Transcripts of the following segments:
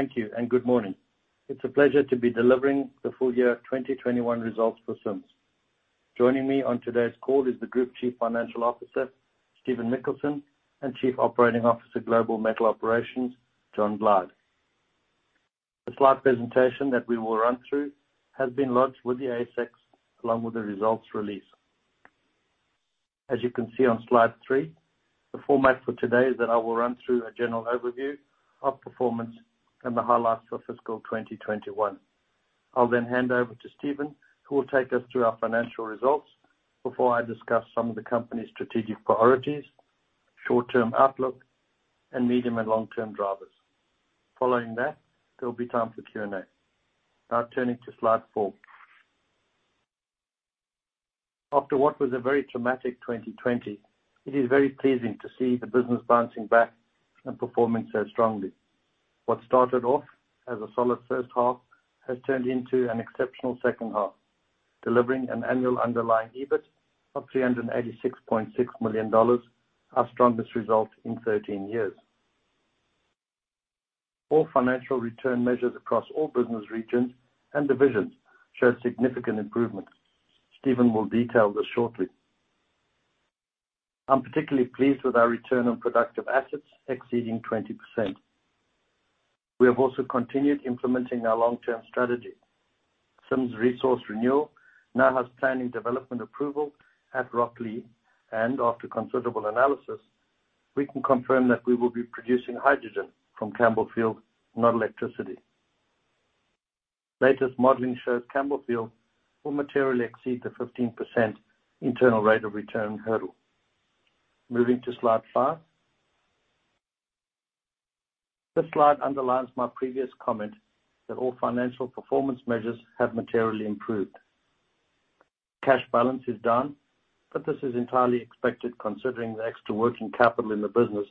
Thank you. Good morning. It's a pleasure to be delivering the full year 2021 results for Sims. Joining me on today's call is the Group Chief Financial Officer, Stephen Mikkelsen, and Chief Operating Officer, Global Metal Operations, John Glyde. The slide presentation that we will run through has been lodged with the ASX, along with the results release. As you can see on slide 3, the format for today is that I will run through a general overview of performance and the highlights for fiscal 2021. I'll then hand over to Stephen, who will take us through our financial results before I discuss some of the company's strategic priorities, short-term outlook, and medium and long-term drivers. Following that, there'll be time for Q&A. Turning to slide 4. After what was a very traumatic 2020, it is very pleasing to see the business bouncing back and performing so strongly. What started off as a solid first half has turned into an exceptional second half, delivering an annual underlying EBIT of 386.6 million dollars, our strongest result in 13 years. All financial return measures across all business regions and divisions show significant improvements. Stephen Mikkelsen will detail this shortly. I'm particularly pleased with our return on productive assets exceeding 20%. We have also continued implementing our long-term strategy. Sims Resource Renewal now has planning development approval at Rocklea, and after considerable analysis, we can confirm that we will be producing hydrogen from Campbellfield, not electricity. Latest modeling shows Campbellfield will materially exceed the 15% internal rate of return hurdle. Moving to slide 5. This slide underlines my previous comment that all financial performance measures have materially improved. Cash balance is down. This is entirely expected considering the extra working capital in the business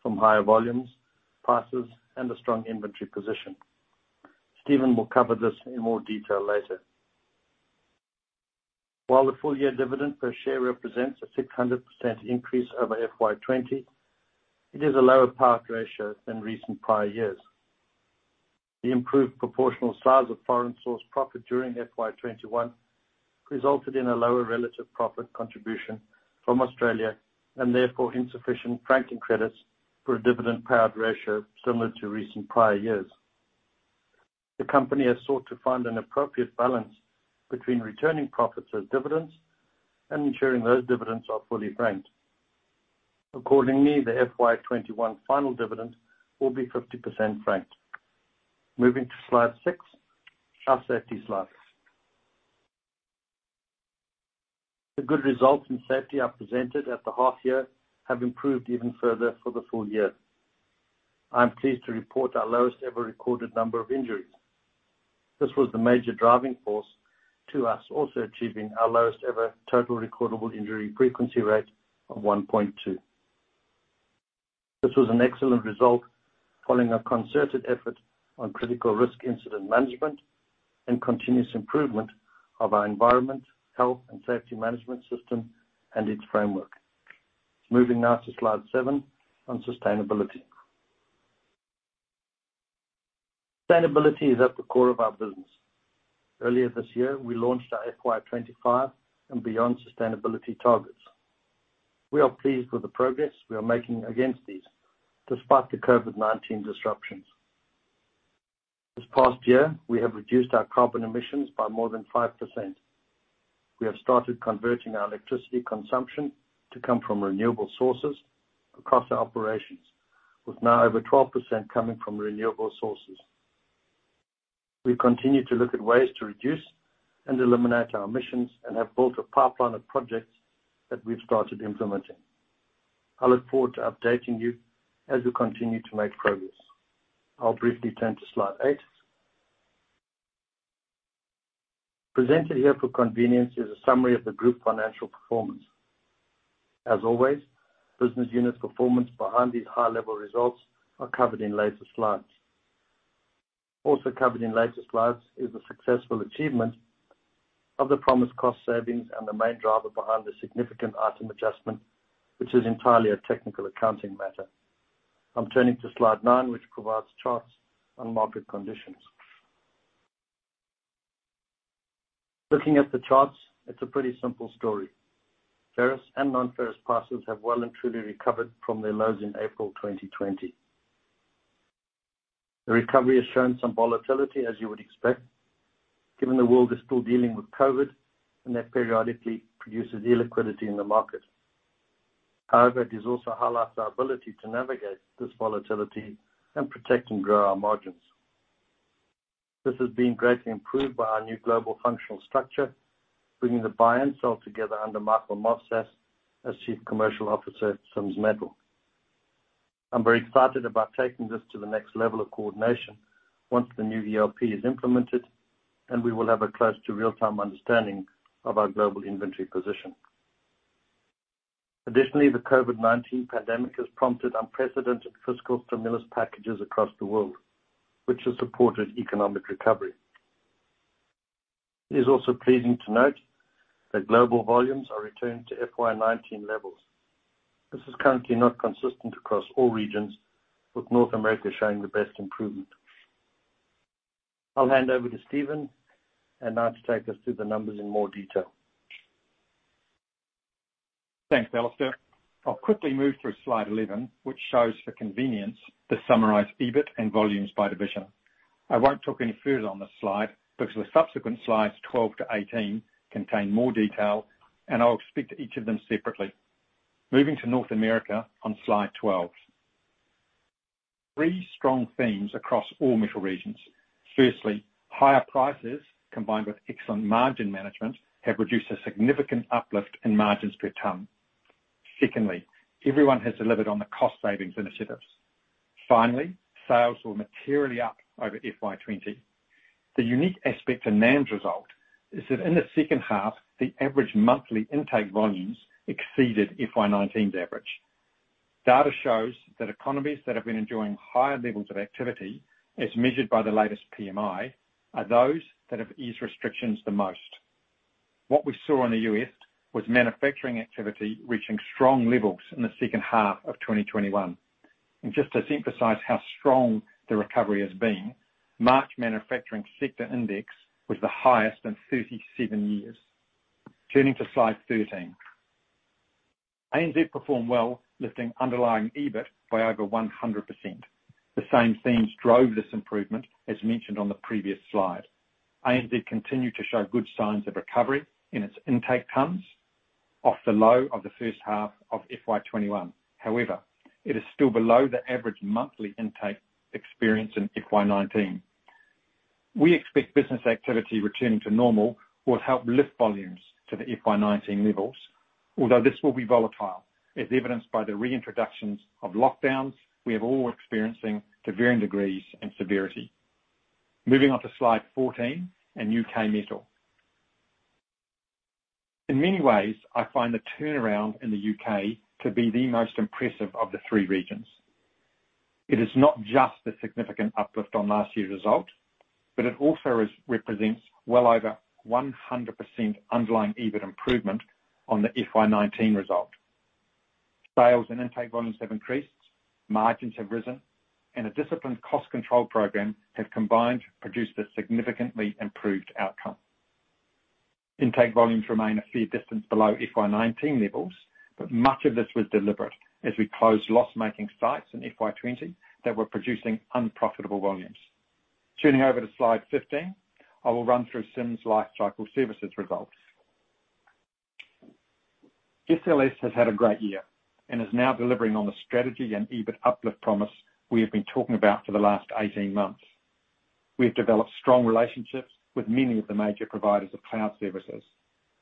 from higher volumes, prices, and a strong inventory position. Stephen Mikkelsen will cover this in more detail later. While the full-year dividend per share represents a 600% increase over FY 2020, it is a lower payout ratio than recent prior years. The improved proportional size of foreign source profit during FY 2021 resulted in a lower relative profit contribution from Australia, therefore insufficient franking credits for a dividend payout ratio similar to recent prior years. The company has sought to find an appropriate balance between returning profits as dividends and ensuring those dividends are fully franked. Accordingly, the FY 2021 final dividend will be 50% franked. Moving to slide 6, our safety slide. The good results in safety I presented at the half year have improved even further for the full year. I am pleased to report our lowest ever recorded number of injuries. This was the major driving force to us also achieving our lowest ever total recordable injury frequency rate of 1.2. This was an excellent result following a concerted effort on critical risk incident management and continuous improvement of our environment, health, and safety management system and its framework. Moving now to slide 7 on sustainability. Sustainability is at the core of our business. Earlier this year, we launched our FY25 and beyond sustainability targets. We are pleased with the progress we are making against these, despite the COVID-19 disruptions. This past year, we have reduced our carbon emissions by more than 5%. We have started converting our electricity consumption to come from renewable sources across our operations, with now over 12% coming from renewable sources. We continue to look at ways to reduce and eliminate our emissions and have built a pipeline of projects that we've started implementing. I look forward to updating you as we continue to make progress. I'll briefly turn to slide 8. Presented here for convenience is a summary of the group financial performance. As always, business unit performance behind these high-level results are covered in later slides. Also covered in later slides is the successful achievement of the promised cost savings and the main driver behind the significant item adjustment, which is entirely a technical accounting matter. I'm turning to slide 9, which provides charts on market conditions. Looking at the charts, it's a pretty simple story. Ferrous and non-ferrous prices have well and truly recovered from their lows in April 2020. The recovery has shown some volatility, as you would expect, given the world is still dealing with COVID-19, that periodically produces illiquidity in the market. It has also highlighted our ability to navigate this volatility and protect and grow our margins. This has been greatly improved by our new global functional structure, bringing the buy and sell together under Michael Movsas as Chief Commercial Officer at Sims Metal. I'm very excited about taking this to the next level of coordination once the new ERP is implemented, we will have a close to real-time understanding of our global inventory position. The COVID-19 pandemic has prompted unprecedented fiscal stimulus packages across the world, which has supported economic recovery. It is also pleasing to note that global volumes are returning to FY 2019 levels. This is currently not consistent across all regions, with North America showing the best improvement. I'll hand over to Stephen and now to take us through the numbers in more detail. Thanks, Alistair. I'll quickly move through slide 11, which shows for convenience the summarized EBIT and volumes by division. I won't talk any further on this slide because the subsequent slides 12-18 contain more detail, and I'll speak to each of them separately. Moving to North America on slide 12. Three strong themes across all metal regions. Firstly, higher prices, combined with excellent margin management, have produced a significant uplift in margins per ton. Secondly, everyone has delivered on the cost savings initiatives. Finally, sales were materially up over FY 2020. The unique aspect to NAM's result is that in the second half, the average monthly intake volumes exceeded FY 2019's average. Data shows that economies that have been enjoying higher levels of activity, as measured by the latest PMI, are those that have eased restrictions the most. What we saw in the U.S. was manufacturing activity reaching strong levels in the second half of 2021. Just to emphasize how strong the recovery has been, March manufacturing sector index was the highest in 37 years. Turning to slide 13. ANZ performed well, lifting underlying EBIT by over 100%. The same themes drove this improvement as mentioned on the previous slide. ANZ continued to show good signs of recovery in its intake tons off the low of the first half of FY 2021. However, it is still below the average monthly intake experienced in FY 2019. We expect business activity returning to normal will help lift volumes to the FY 2019 levels. Although this will be volatile, as evidenced by the reintroductions of lockdowns we are all experiencing to varying degrees in severity. Moving on to slide 14 and UK Metal. In many ways, I find the turnaround in the U.K. to be the most impressive of the three regions. It is not just the significant uplift on last year's result, but it also represents well over 100% underlying EBIT improvement on the FY 2019 result. Sales and intake volumes have increased, margins have risen, and a disciplined cost control program have combined to produce a significantly improved outcome. Intake volumes remain a fair distance below FY 2019 levels, but much of this was deliberate as we closed loss-making sites in FY 2020 that were producing unprofitable volumes. Turning over to slide 15, I will run through Sims Lifecycle Services results. SLS has had a great year and is now delivering on the strategy and EBIT uplift promise we have been talking about for the last 18 months. We have developed strong relationships with many of the major providers of cloud services.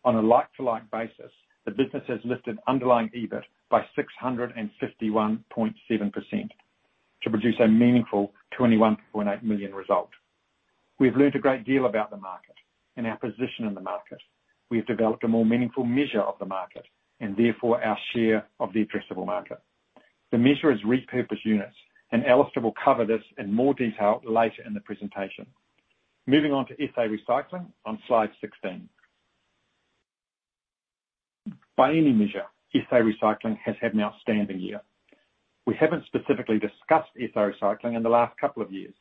On a like-to-like basis, the business has lifted underlying EBIT by 651.7% to produce a meaningful 21.8 million result. We have learned a great deal about the market and our position in the market. We have developed a more meaningful measure of the market and therefore our share of the addressable market. The measure is repurposed units. Alistair will cover this in more detail later in the presentation. Moving on to SA Recycling on slide 16. By any measure, SA Recycling has had an outstanding year. We haven't specifically discussed SA Recycling in the last couple of years.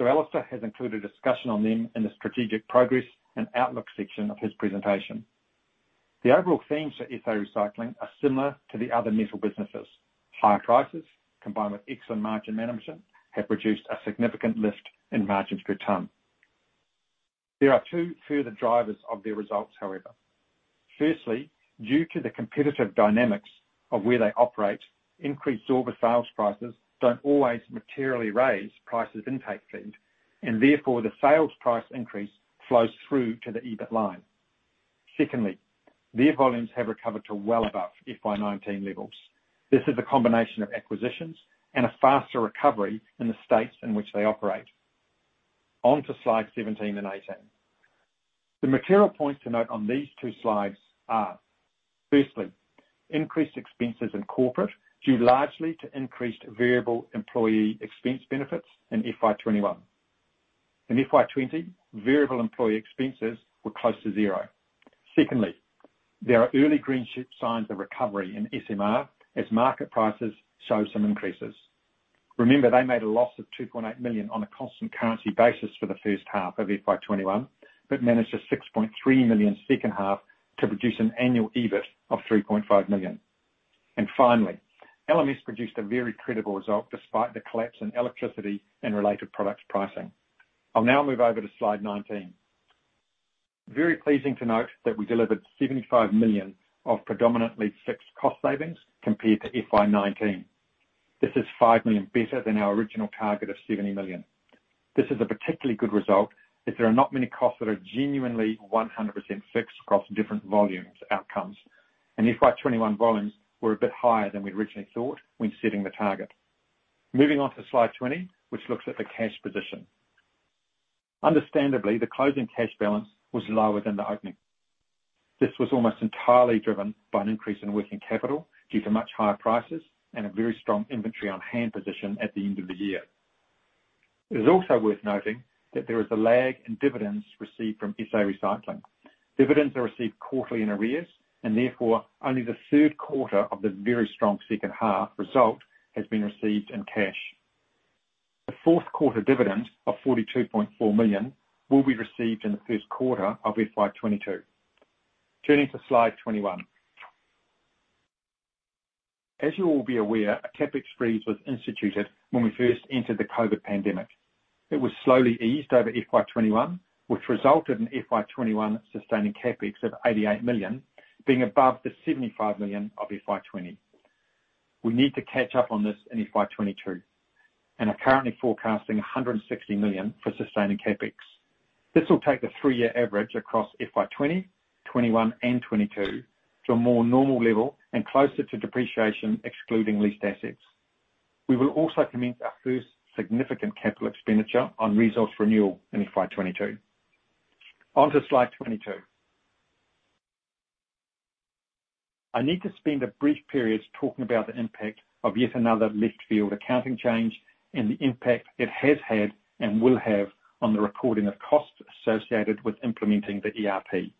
Alistair has included a discussion on them in the strategic progress and outlook section of his presentation. The overall themes for SA Recycling are similar to the other metal businesses. Higher prices, combined with excellent margin management, have produced a significant lift in margins per ton. There are two further drivers of their results, however. Firstly, due to the competitive dynamics of where they operate, increased over sales prices don't always materially raise prices intake feed, and therefore the sales price increase flows through to the EBIT line. Secondly, their volumes have recovered to well above FY 2019 levels. This is a combination of acquisitions and a faster recovery in the states in which they operate. On to slide 17 and 18. The material points to note on these two slides are, firstly, increased expenses in corporate, due largely to increased variable employee expense benefits in FY 2021. In FY 2020, variable employee expenses were close to zero. Secondly, there are early green shoots signs of recovery in SMR as market prices show some increases. Remember, they made a loss of 2.8 million on a constant currency basis for the first half of FY21, but managed an 6.3 million second half to produce an annual EBIT of 3.5 million. Finally, LMS produced a very credible result despite the collapse in electricity and related products pricing. I'll now move over to slide 19. Very pleasing to note that we delivered 75 million of predominantly fixed cost savings compared to FY19. This is 5 million better than our original target of 70 million. This is a particularly good result as there are not many costs that are genuinely 100% fixed across different volumes outcomes. FY21 volumes were a bit higher than we'd originally thought when setting the target. Moving on to slide 20, which looks at the cash position. Understandably, the closing cash balance was lower than the opening. This was almost entirely driven by an increase in working capital due to much higher prices and a very strong inventory on hand position at the end of the year. It is also worth noting that there is a lag in dividends received from SA Recycling. Dividends are received quarterly in arrears, and therefore, only the third quarter of the very strong second half result has been received in cash. The fourth quarter dividend of 42.4 million will be received in the first quarter of FY 2022. Turning to slide 21. As you all will be aware, a CapEx freeze was instituted when we first entered the COVID-19 pandemic. It was slowly eased over FY 2021, which resulted in FY 2021 sustaining CapEx of 88 million, being above the 75 million of FY 2020. We need to catch up on this in FY 2022 and are currently forecasting 160 million for sustaining CapEx. This will take the three-year average across FY 2020, FY 2021, and FY 2022 to a more normal level and closer to depreciation, excluding leased assets. We will also commence our first significant capital expenditure on resource renewal in FY 2022. On to slide 22. I need to spend a brief period talking about the impact of yet another left-field accounting change and the impact it has had and will have on the recording of costs associated with implementing the ERP.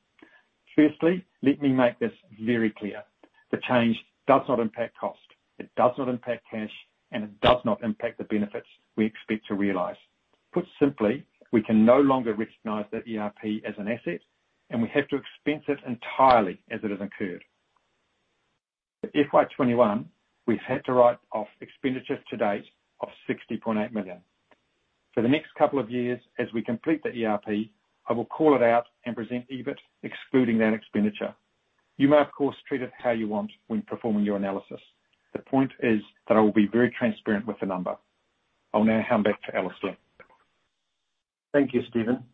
Firstly, let me make this very clear. The change does not impact cost, it does not impact cash, and it does not impact the benefits we expect to realize. Put simply, we can no longer recognize the ERP as an asset, and we have to expense it entirely as it has incurred. For FY21, we've had to write off expenditure to date of 60.8 million. For the next couple of years, as we complete the ERP, I will call it out and present EBIT excluding that expenditure. You may, of course, treat it how you want when performing your analysis. The point is that I will be very transparent with the number. I'll now hand back to Alistair. Thank you, Stephen.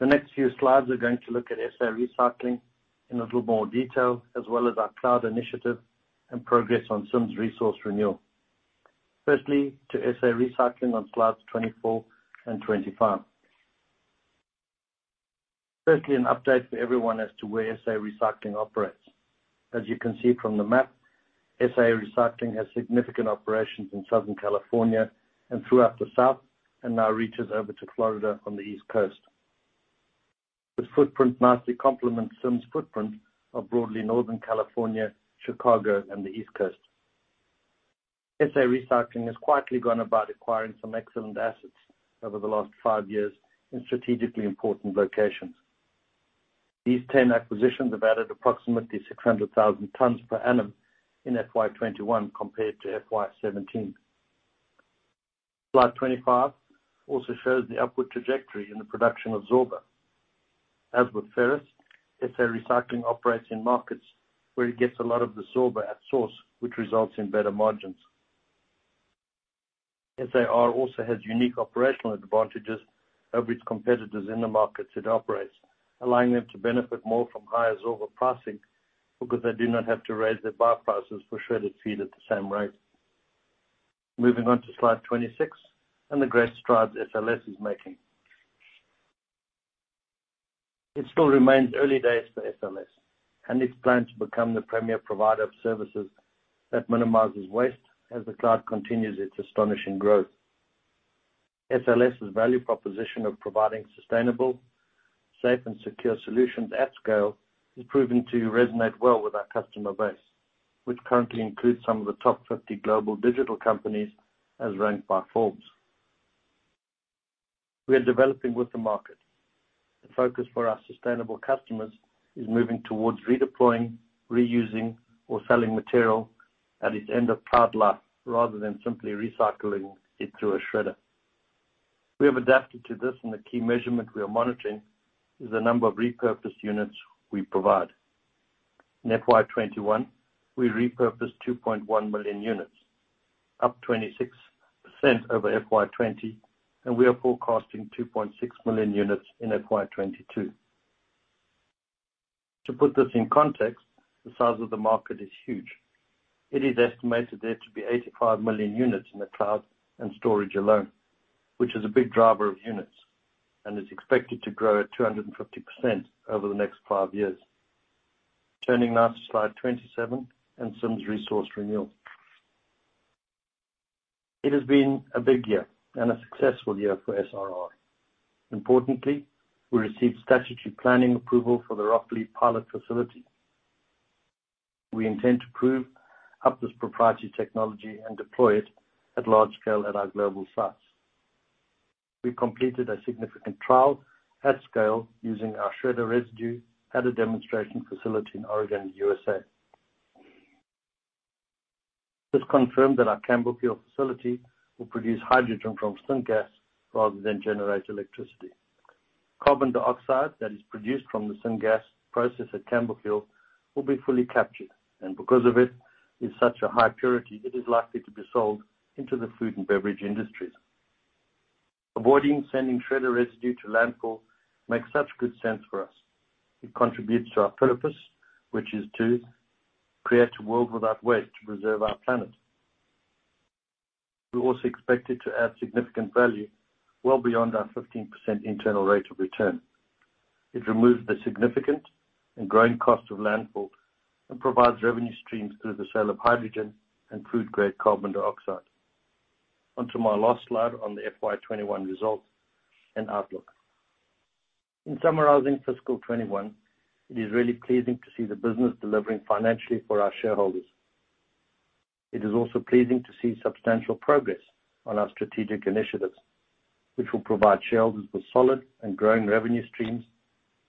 The next few slides are going to look at SA Recycling in a little more detail, as well as our cloud initiative and progress on Sims Resource Renewal. Firstly, to SA Recycling on slides 24 and 25. Firstly, an update for everyone as to where SA Recycling operates. As you can see from the map, SA Recycling has significant operations in Southern California and throughout the South, and now reaches over to Florida on the East Coast. This footprint nicely complements Sims' footprint of broadly Northern California, Chicago, and the East Coast. SA Recycling has quietly gone about acquiring some excellent assets over the last 5 years in strategically important locations. These 10 acquisitions have added approximately 600,000 tons per annum in FY 2021 compared to FY 2017. Slide 25 also shows the upward trajectory in the production of Zorba. As with ferrous, SA Recycling operates in markets where it gets a lot of the Zorba at source, which results in better margins. SAR also has unique operational advantages over its competitors in the markets it operates, allowing them to benefit more from higher Zorba pricing because they do not have to raise their buy prices for shredded feed at the same rate. Moving on to slide 26 and the great strides SLS is making. It still remains early days for SLS and its plan to become the premier provider of services that minimizes waste as the cloud continues its astonishing growth. SLS's value proposition of providing sustainable, safe, and secure solutions at scale is proving to resonate well with our customer base, which currently includes some of the top 50 global digital companies as ranked by Forbes. We are developing with the market. The focus for our sustainable customers is moving towards redeploying, reusing, or selling material at its end of cloud life rather than simply recycling it through a shredder. We have adapted to this, and the key measurement we are monitoring is the number of repurposed units we provide. In FY 2021, we repurposed 2.1 million units, up 26% over FY 2020, and we are forecasting 2.6 million units in FY 2022. To put this in context, the size of the market is huge. It is estimated there to be 85 million units in the cloud and storage alone, which is a big driver of units and is expected to grow at 250% over the next five years. Turning now to slide 27 and Sims Resource Renewal. It has been a big year and a successful year for SRR. Importantly, we received statutory planning approval for the Rocklea pilot facility. We intend to prove Atlas proprietary technology and deploy it at large scale at our global sites. We completed a significant trial at scale using our shredder residue at a demonstration facility in Oregon, USA. This confirmed that our Campbellfield facility will produce hydrogen from syngas rather than generate electricity. Carbon dioxide that is produced from the syngas process at Campbellfield will be fully captured. Because of it's such a high purity, it is likely to be sold into the food and beverage industries. Avoiding sending shredder residue to landfill makes such good sense for us. It contributes to our purpose, which is to create a world without waste to preserve our planet. We also expect it to add significant value well beyond our 15% internal rate of return. It removes the significant and growing cost of landfill and provides revenue streams through the sale of hydrogen and food-grade carbon dioxide. Onto my last slide on the FY 2021 results and outlook. In summarizing fiscal 2021, it is really pleasing to see the business delivering financially for our shareholders. It is also pleasing to see substantial progress on our strategic initiatives, which will provide shareholders with solid and growing revenue streams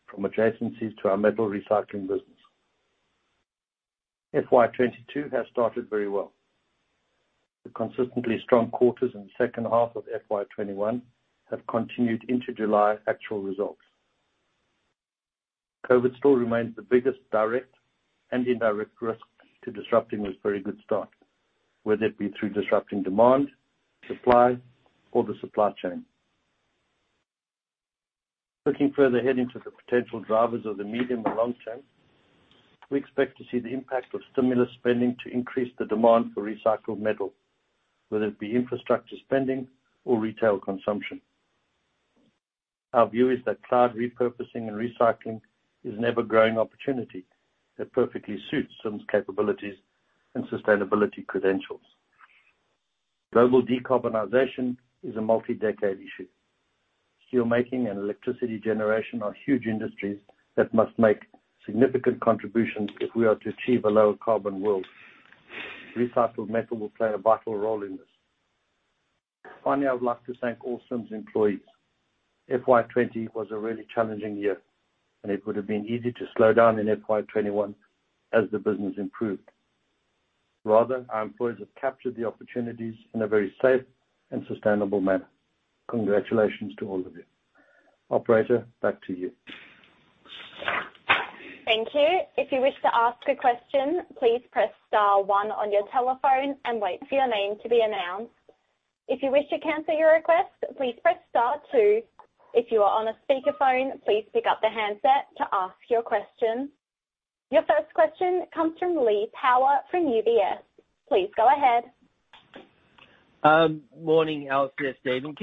from adjacencies to our metal recycling business. FY 2022 has started very well. The consistently strong quarters in the second half of FY 2021 have continued into July actual results. COVID-19 still remains the biggest direct and indirect risk to disrupting this very good start, whether it be through disrupting demand, supply, or the supply chain. Looking further ahead into the potential drivers of the medium to long term, we expect to see the impact of stimulus spending to increase the demand for recycled metal, whether it be infrastructure spending or retail consumption. Our view is that cloud repurposing and recycling is an ever-growing opportunity that perfectly suits Sims' capabilities and sustainability credentials. Global decarbonization is a multi-decade issue. Steelmaking and electricity generation are huge industries that must make significant contributions if we are to achieve a lower carbon world. Recycled metal will play a vital role in this. Finally, I would like to thank all Sims employees. FY 2020 was a really challenging year, and it would have been easy to slow down in FY 2021 as the business improved. Rather, our employees have captured the opportunities in a very safe and sustainable manner. Congratulations to all of you. Operator, back to you. Thank you. If you wish to ask a question, please press star one on your telephone and wait for your name to be announced. If you wish to cancel your request, please press star two. If you are on a speakerphone, please pick up the handset to ask your question. Your first question comes from Lee Power from UBS. Please go ahead. Morning, Alistair, Stephen.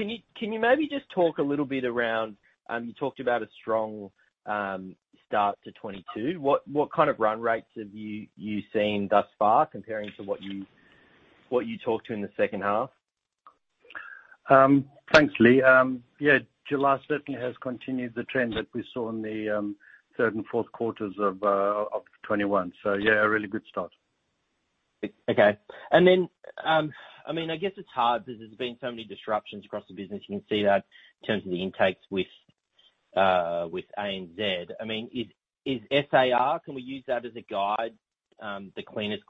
You talked about a strong start to FY22. What kind of run rates have you seen thus far comparing to what you talked to in the second half? Thanks, Lee. Yeah, July certainly has continued the trend that we saw in the third and fourth quarters of 2021. Yeah, a really good start. Okay. I guess it is hard because there has been so many disruptions across the business. You can see that in terms of the intakes with ANZ. Is SAR, can we use that as the cleanest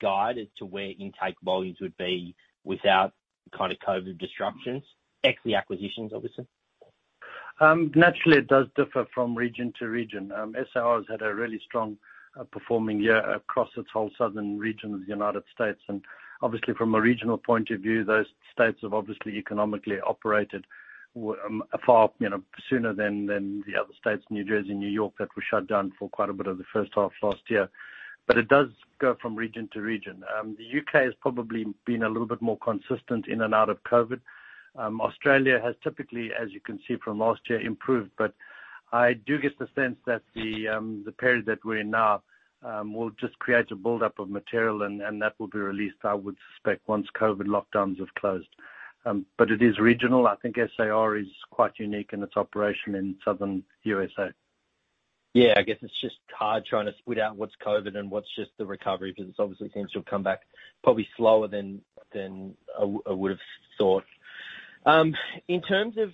guide as to where intake volumes would be without COVID disruptions, ex the acquisitions, obviously? Naturally, it does differ from region to region. SAR has had a really strong performing year across its whole southern region of the United States. Obviously from a regional point of view, those states have obviously economically operated far sooner than the other states, New Jersey and New York, that were shut down for quite a bit of the first half of last year. It does go from region to region. The U.K. has probably been a little bit more consistent in and out of COVID. Australia has typically, as you can see from last year, improved. I do get the sense that the period that we're in now will just create a buildup of material and that will be released, I would suspect, once COVID lockdowns have closed. It is regional. I think SAR is quite unique in its operation in Southern USA. Yeah, I guess it's just hard trying to split out what's COVID and what's just the recovery, because it obviously seems to have come back probably slower than I would have thought. In terms of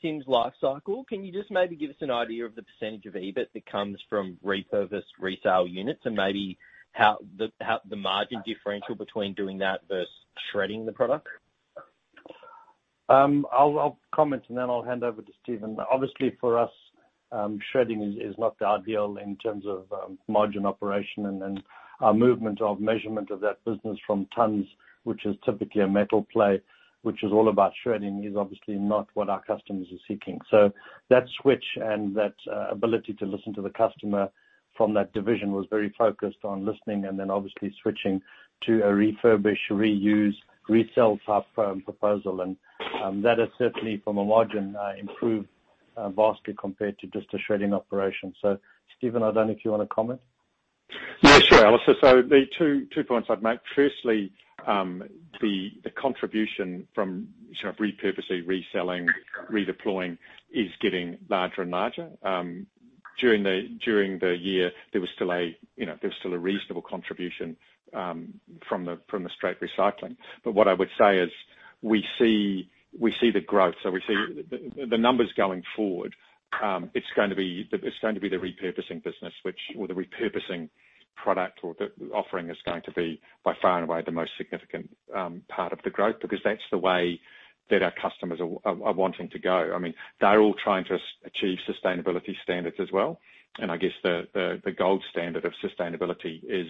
Sims' lifecycle, can you just maybe give us an idea of the % of EBIT that comes from repurposed resale units and maybe the margin differential between doing that versus shredding the product? I'll comment and then I'll hand over to Stephen. Obviously, for us, shredding is not the ideal in terms of margin operation and our movement of measurement of that business from tons, which is typically a metal play, which is all about shredding, is obviously not what our customers are seeking. That switch and that ability to listen to the customer from that division was very focused on listening and then obviously switching to a refurbish, reuse, resell type proposal. That has certainly, from a margin, improved vastly compared to just a shredding operation. Stephen, I don't know if you want to comment. Yeah, sure, Alistair. The two points I'd make. Firstly, the contribution from repurposing, reselling, redeploying is getting larger and larger. During the year, there was still a reasonable contribution from the straight recycling. What I would say is we see the growth. We see the numbers going forward. It's going to be the repurposing business or the repurposing product or the offering is going to be by far and away the most significant part of the growth, because that's the way that our customers are wanting to go. They're all trying to achieve sustainability standards as well. I guess the gold standard of sustainability is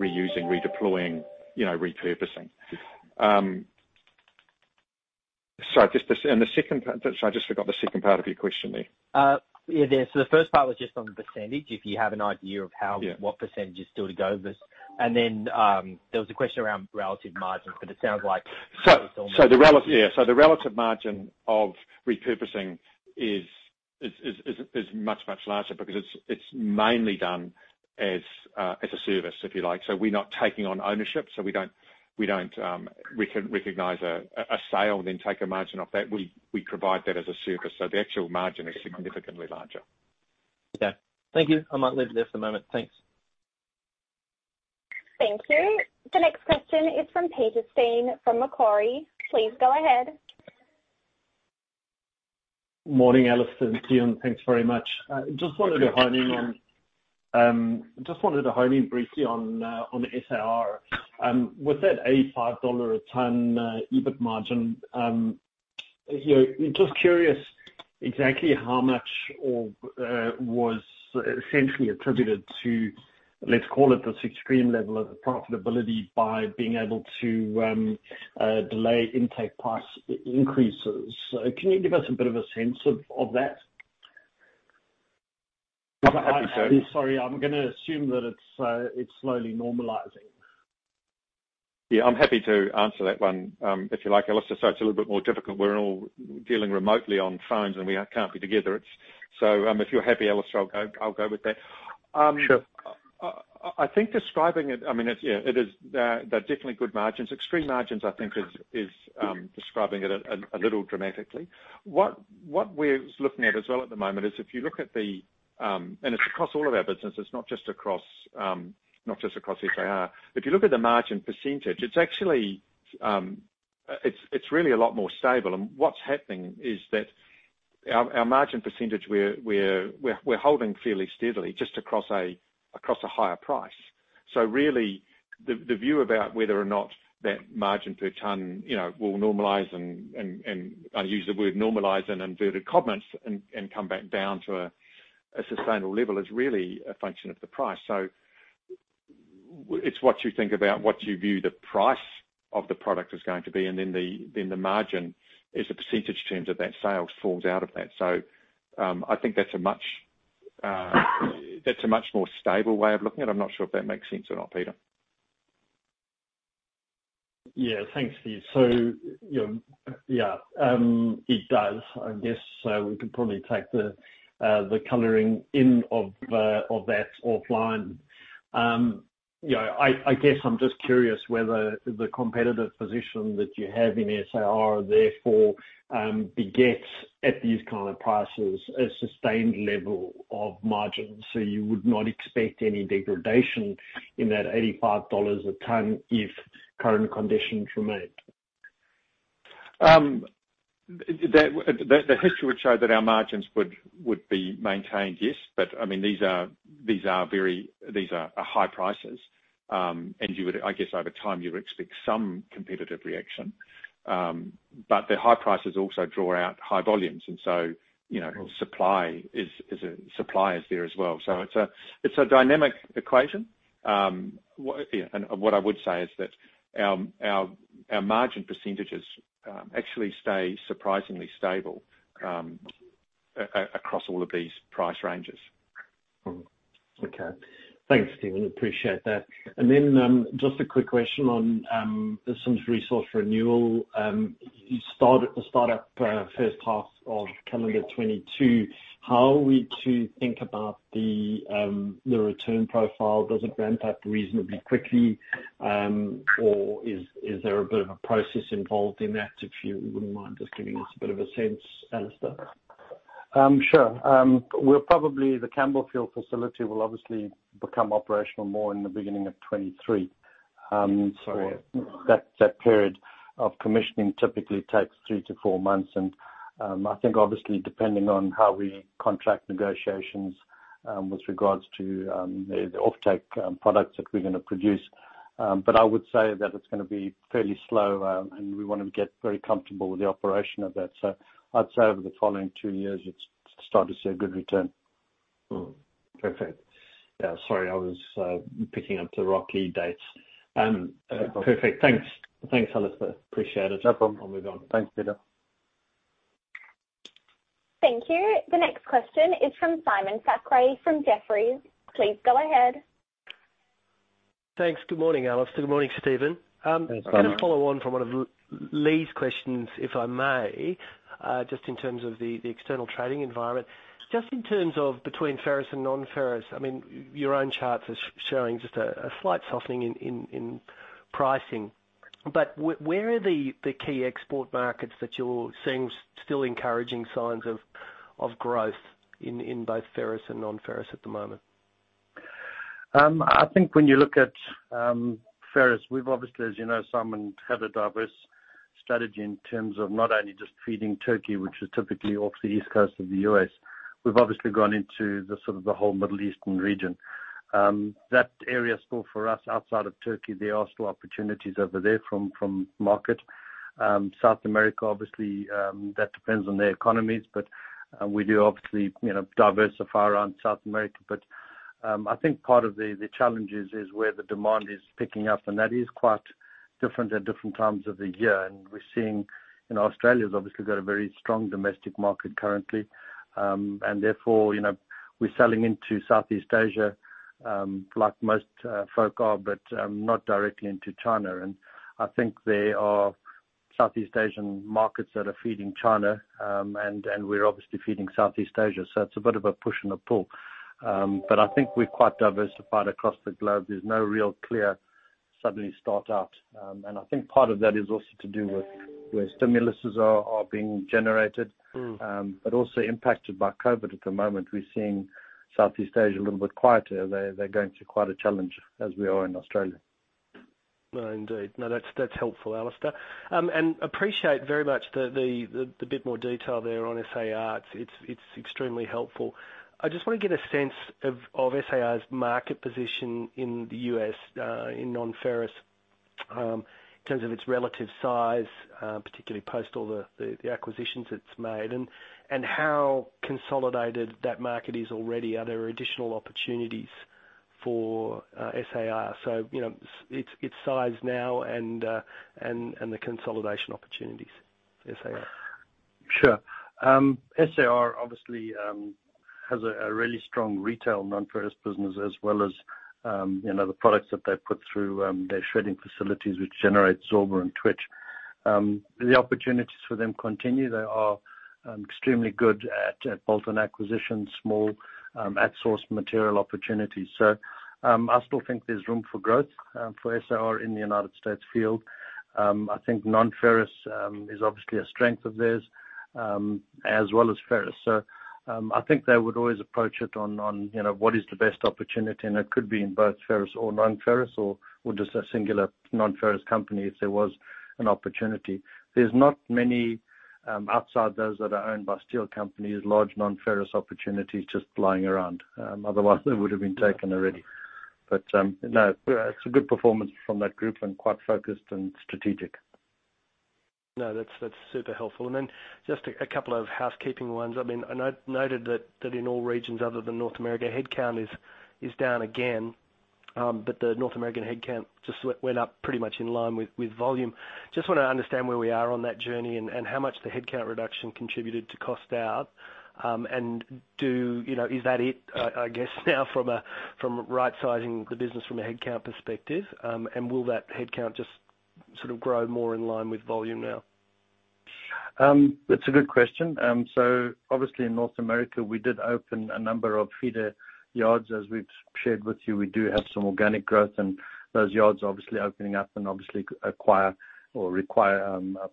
reusing, redeploying, repurposing. Sorry, I just forgot the second part of your question, Lee. Yeah. The first part was just on the %, if you have an idea of what % is still to go. There was a question around relative margins. The relative margin of repurposing is much, much larger because it's mainly done as a service, if you like. We're not taking on ownership, so we don't recognize a sale and then take a margin off that. We provide that as a service. The actual margin is significantly larger. Okay. Thank you. I might leave it there for the moment. Thanks. Thank you. The next question is from Peter Steyn from Macquarie. Please go ahead. Morning, Alistair and Stephen. Thanks very much. Thank you. Just wanted to home in briefly on SAR. With that AUD 85 a ton EBIT margin, just curious exactly how much was essentially attributed to, let's call it this extreme level of profitability by being able to delay intake price increases. Can you give us a bit of a sense of that? I'm happy to- Sorry, I'm gonna assume that it's slowly normalizing. Yeah, I'm happy to answer that one, if you like, Alistair. It's a little bit more difficult. We're all dealing remotely on phones and we can't be together. If you're happy, Alistair, I'll go with that. Sure. They're definitely good margins. Extreme margins, I think is describing it a little dramatically. What we're looking at as well at the moment is if you look at and it's across all of our businesses, not just across SAR. If you look at the margin percentage, it's really a lot more stable. What's happening is that our margin percentage, we're holding fairly steadily just across a higher price. Really, the view about whether or not that margin per ton will normalize and I use the word normalize in inverted commas and come back down to a sustainable level is really a function of the price. It's what you think about what you view the price of the product is going to be, and then the margin as a percentage in terms of that sale falls out of that. I think that's a much more stable way of looking at it. I'm not sure if that makes sense or not, Peter? Yeah. Thanks, Steve. Yeah. It does. I guess we could probably take the coloring in of that offline. I guess I'm just curious whether the competitive position that you have in SAR therefore begets at these kind of prices a sustained level of margins. You would not expect any degradation in that 85 dollars a ton if current conditions remain. The history would show that our margins would be maintained, yes. These are high prices. I guess over time, you would expect some competitive reaction. The high prices also draw out high volumes, supply is there as well. It's a dynamic equation. What I would say is that our margin percentages actually stay surprisingly stable across all of these price ranges. Okay. Thanks, Stephen. Appreciate that. Just a quick question on Sims Resource Renewal. You start up first half of calendar 2022. How are we to think about the return profile? Does it ramp up reasonably quickly? Is there a bit of a process involved in that? If you wouldn't mind just giving us a bit of a sense, Alistair. Sure. The Campbellfield facility will obviously become operational more in the beginning of 2023. Sorry. That period of commissioning typically takes 3-4 months. I think obviously depending on how we contract negotiations with regards to the offtake products that we're going to produce. I would say that it's going to be fairly slow, and we want to get very comfortable with the operation of that. I'd say over the following two years, you'd start to see a good return. Perfect. Yeah, sorry, I was picking up the Rocky dates. No problem. Perfect. Thanks, Alistair. Appreciate it. No problem. I'll move on. Thanks, Peter. Thank you. The next question is from Simon Thackray from Jefferies. Please go ahead. Thanks. Good morning, Alistair. Good morning, Stephen. Thanks, Simon. I'm going to follow on from one of Lee's questions, if I may, just in terms of the external trading environment. Just in terms of between ferrous and non-ferrous, your own charts are showing just a slight softening in pricing. Where are the key export markets that you're seeing still encouraging signs of growth in both ferrous and non-ferrous at the moment? I think when you look at ferrous, we've obviously, as you know, Simon, have a diverse strategy in terms of not only just feeding Turkey, which is typically off the East Coast of the U.S. We've obviously gone into the whole Middle Eastern region. That area still for us outside of Turkey, there are still opportunities over there from market. South America, obviously, that depends on their economies. We do obviously diversify around South America, but I think part of the challenge is where the demand is picking up, and that is quite different at different times of the year. We're seeing Australia's obviously got a very strong domestic market currently. Therefore, we're selling into Southeast Asia, like most folk are, but not directly into China. I think there are Southeast Asian markets that are feeding China, and we're obviously feeding Southeast Asia, so it's a bit of a push and a pull. I think we're quite diversified across the globe. There's no real clear suddenly start up. I think part of that is also to do with where stimuluses are being generated, but also impacted by COVID at the moment. We're seeing Southeast Asia a little bit quieter. They're going through quite a challenge as we are in Australia. No, indeed. No, that's helpful, Alistair. Appreciate very much the bit more detail there on SAR. It's extremely helpful. I just want to get a sense of SAR's market position in the U.S. in non-ferrous, in terms of its relative size, particularly post all the acquisitions it's made, and how consolidated that market is already. Are there additional opportunities for SAR? So, its size now and the consolidation opportunities for SAR. SAR obviously has a really strong retail non-ferrous business as well as the products that they put through their shredding facilities, which generates Zorba and twitch. The opportunities for them continue. They are extremely good at bolt-on acquisitions, small at-source material opportunities. I still think there's room for growth for SAR in the U.S. field. I think non-ferrous is obviously a strength of theirs, as well as ferrous. I think they would always approach it on what is the best opportunity, and it could be in both ferrous or non-ferrous or just a singular non-ferrous company if there was an opportunity. There's not many outside those that are owned by steel companies, large non-ferrous opportunities just lying around. Otherwise, they would have been taken already. No, it's a good performance from that group and quite focused and strategic. No, that's super helpful. Just a couple of housekeeping ones. I noted that in all regions other than North America, headcount is down again. The North American headcount just went up pretty much in line with volume. Just want to understand where we are on that journey and how much the headcount reduction contributed to cost out. Is that it, I guess now from right-sizing the business from a headcount perspective, and will that headcount just sort of grow more in line with volume now? That's a good question. Obviously in North America, we did open a number of feeder yards. As we've shared with you, we do have some organic growth and those yards obviously opening up and obviously require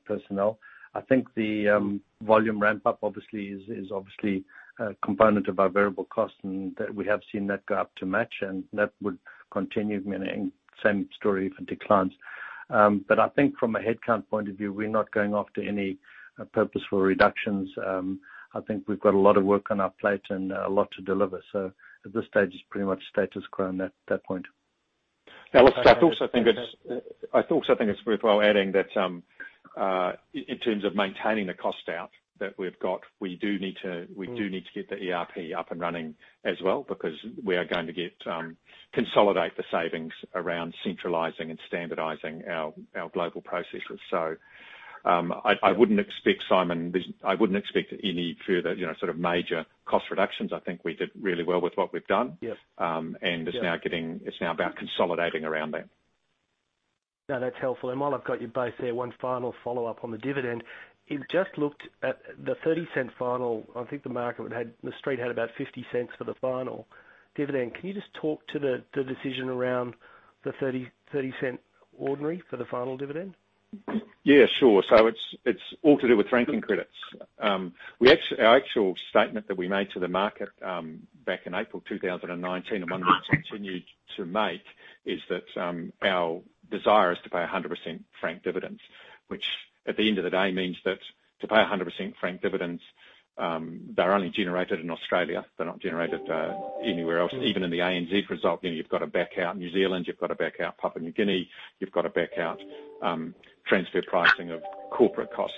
personnel. I think the volume ramp-up obviously is a component of our variable cost and that we have seen that go up to match and that would continue, same story for declines. I think from a headcount point of view, we're not going after any purposeful reductions. I think we've got a lot of work on our plate and a lot to deliver. At this stage, it's pretty much status quo on that point. Alistair, I also think it's worthwhile adding that in terms of maintaining the cost out that we've got, we do need to get the ERP up and running as well because we are going to consolidate the savings around centralizing and standardizing our global processes. I wouldn't expect, Simon, any further sort of major cost reductions. I think we did really well with what we've done. Yes. It's now about consolidating around that. No, that's helpful. While I've got you both there, one final follow-up on the dividend. It just looked at the 0.30 final. I think the Street had about 0.50 for the final dividend. Can you just talk to the decision around the 0.30 ordinary for the final dividend? Yeah, sure. It's all to do with franking credits. Our actual statement that we made to the market back in April 2019 and one we've continued to make is that our desire is to pay 100% franked dividends, which at the end of the day means that to pay 100% franked dividends, they're only generated in Australia. They're not generated anywhere else. Even in the ANZ result, you've got to back out New Zealand, you've got to back out Papua New Guinea, you've got to back out transfer pricing of corporate costs.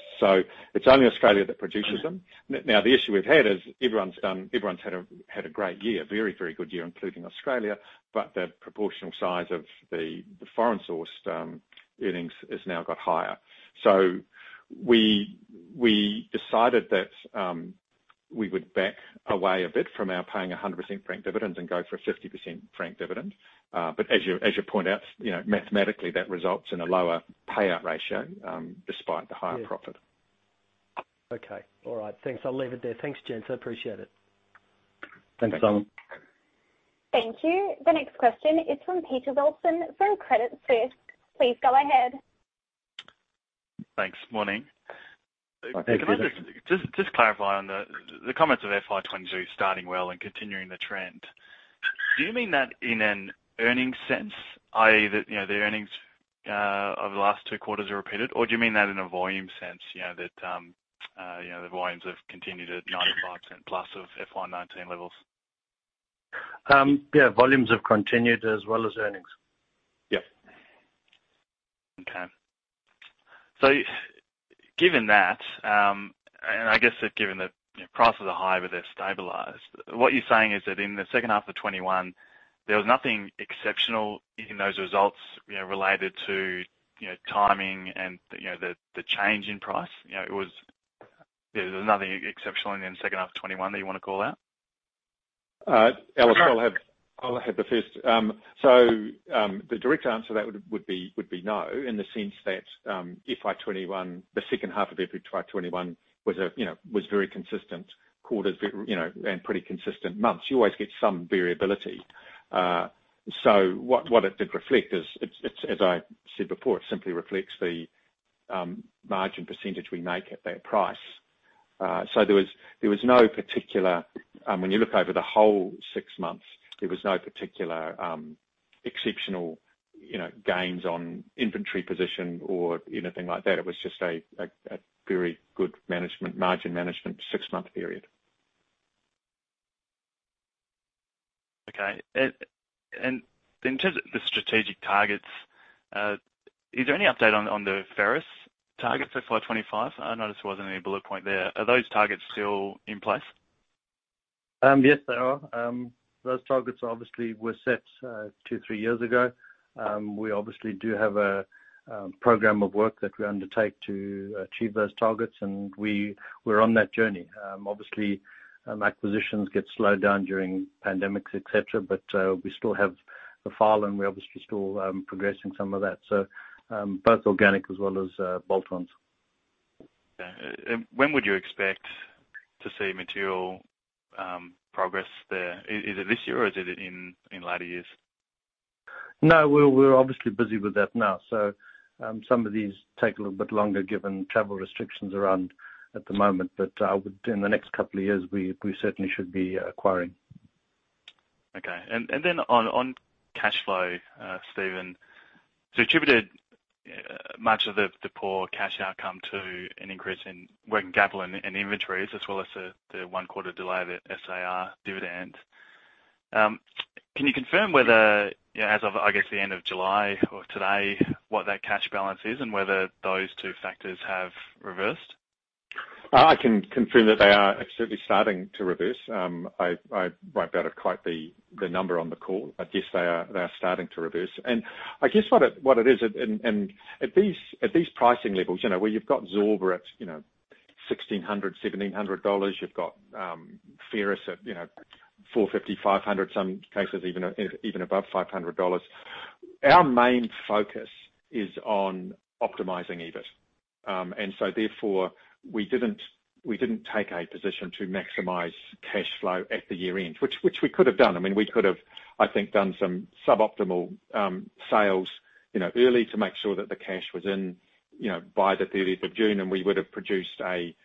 It's only Australia that produces them. Now, the issue we've had is everyone's had a great year. Very, very good year, including Australia, but the proportional size of the foreign-sourced earnings has now got higher. We decided that we would back away a bit from our paying 100% franked dividends and go for a 50% franked dividend. As you point out, mathematically that results in a lower payout ratio despite the higher profit. Okay. All right. Thanks. I'll leave it there. Thanks, gents. I appreciate it. Thanks, Simon. Thank you. The next question is from Peter Wilson from Credit Suisse. Please go ahead. Thanks. Morning. Morning, Peter. Can I just clarify on the comments of FY 2022 starting well and continuing the trend. Do you mean that in an earnings sense, i.e., that the earnings of the last two quarters are repeated, or do you mean that in a volume sense that the volumes have continued at 95%-plus of FY 2019 levels? Yeah, volumes have continued as well as earnings. Yeah. Okay. Given that, and I guess that given that prices are high, but they're stabilized, what you're saying is that in the second half of 2021, there was nothing exceptional in those results related to timing and the change in price? There was nothing exceptional in the second half of 2021 that you want to call out? Alistair, I'll have the first. The direct answer to that would be no, in the sense that FY 2021, the second half of FY 2021 was very consistent quarters, and pretty consistent months. You always get some variability. What it did reflect is, as I said before, it simply reflects the margin percentage we make at that price. There was no particular, when you look over the whole six months, there was no particular exceptional gains on inventory position or anything like that. It was just a very good margin management six-month period. Okay. In terms of the strategic targets, is there any update on the ferrous targets for FY 2025? I noticed there wasn't any bullet point there. Are those targets still in place? Yes, they are. Those targets obviously were set 2, 3 years ago. We obviously do have a program of work that we undertake to achieve those targets, and we're on that journey. Obviously, acquisitions get slowed down during pandemics, et cetera, but we still have the file and we're obviously still progressing some of that. Both organic as well as bolt-ons. Okay. When would you expect to see material progress there? Is it this year or is it in later years? We're obviously busy with that now. Some of these take a little bit longer given travel restrictions around at the moment. Within the next couple of years, we certainly should be acquiring. Okay. On cash flow, Stephen. You attributed much of the poor cash outcome to an increase in working capital and inventories, as well as the 1-quarter delay of the SAR dividend. Can you confirm whether, as of, I guess, the end of July or today, what that cash balance is and whether those two factors have reversed? I can confirm that they are absolutely starting to reverse. I won't be able to quote the number on the call. I guess they are starting to reverse. I guess what it is, at these pricing levels, where you've got Zorba at 1,600, 1,700 dollars. You've got ferrous at 450, 500, some cases even above 500 dollars. Our main focus is on optimizing EBIT. Therefore, we didn't take a position to maximize cash flow at the year-end, which we could have done. I mean, we could have, I think, done some suboptimal sales early to make sure that the cash was in by the 30th of June, and we would have produced a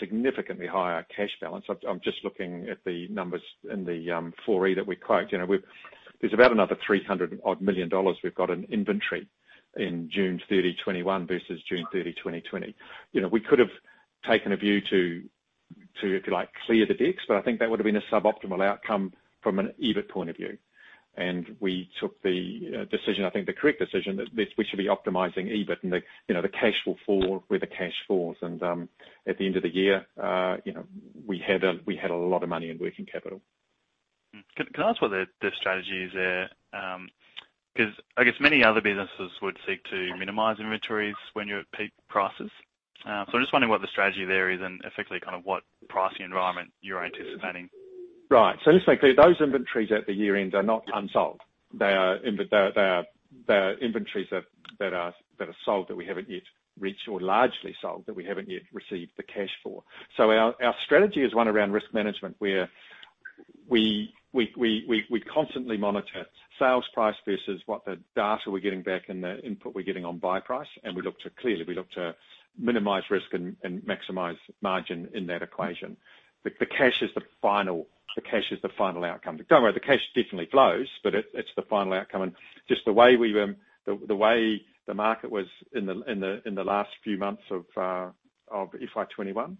significantly higher cash balance. I'm just looking at the numbers in the 4E that we quote. There's about another 300 odd million we've got in inventory in June 30, 2021 versus June 30, 2020. We could have taken a view to, if you like, clear the decks, I think that would have been a suboptimal outcome from an EBIT point of view. We took the decision, I think the correct decision, that we should be optimizing EBIT and the cash will fall where the cash falls. At the end of the year, we had a lot of money in working capital. Can I ask why the strategy is there? I guess many other businesses would seek to minimize inventories when you're at peak prices. I'm just wondering what the strategy there is and effectively kind of what pricing environment you're anticipating. Right. Just make clear, those inventories at the year-end are not unsold. They are inventories that are sold that we haven't yet reached or largely sold that we haven't yet received the cash for. Our strategy is one around risk management, where we constantly monitor sales price versus what the data we're getting back and the input we're getting on buy price, and clearly we look to minimize risk and maximize margin in that equation. The cash is the final outcome. Don't worry, the cash definitely flows, but it's the final outcome. Just the way the market was in the last few months of FY21,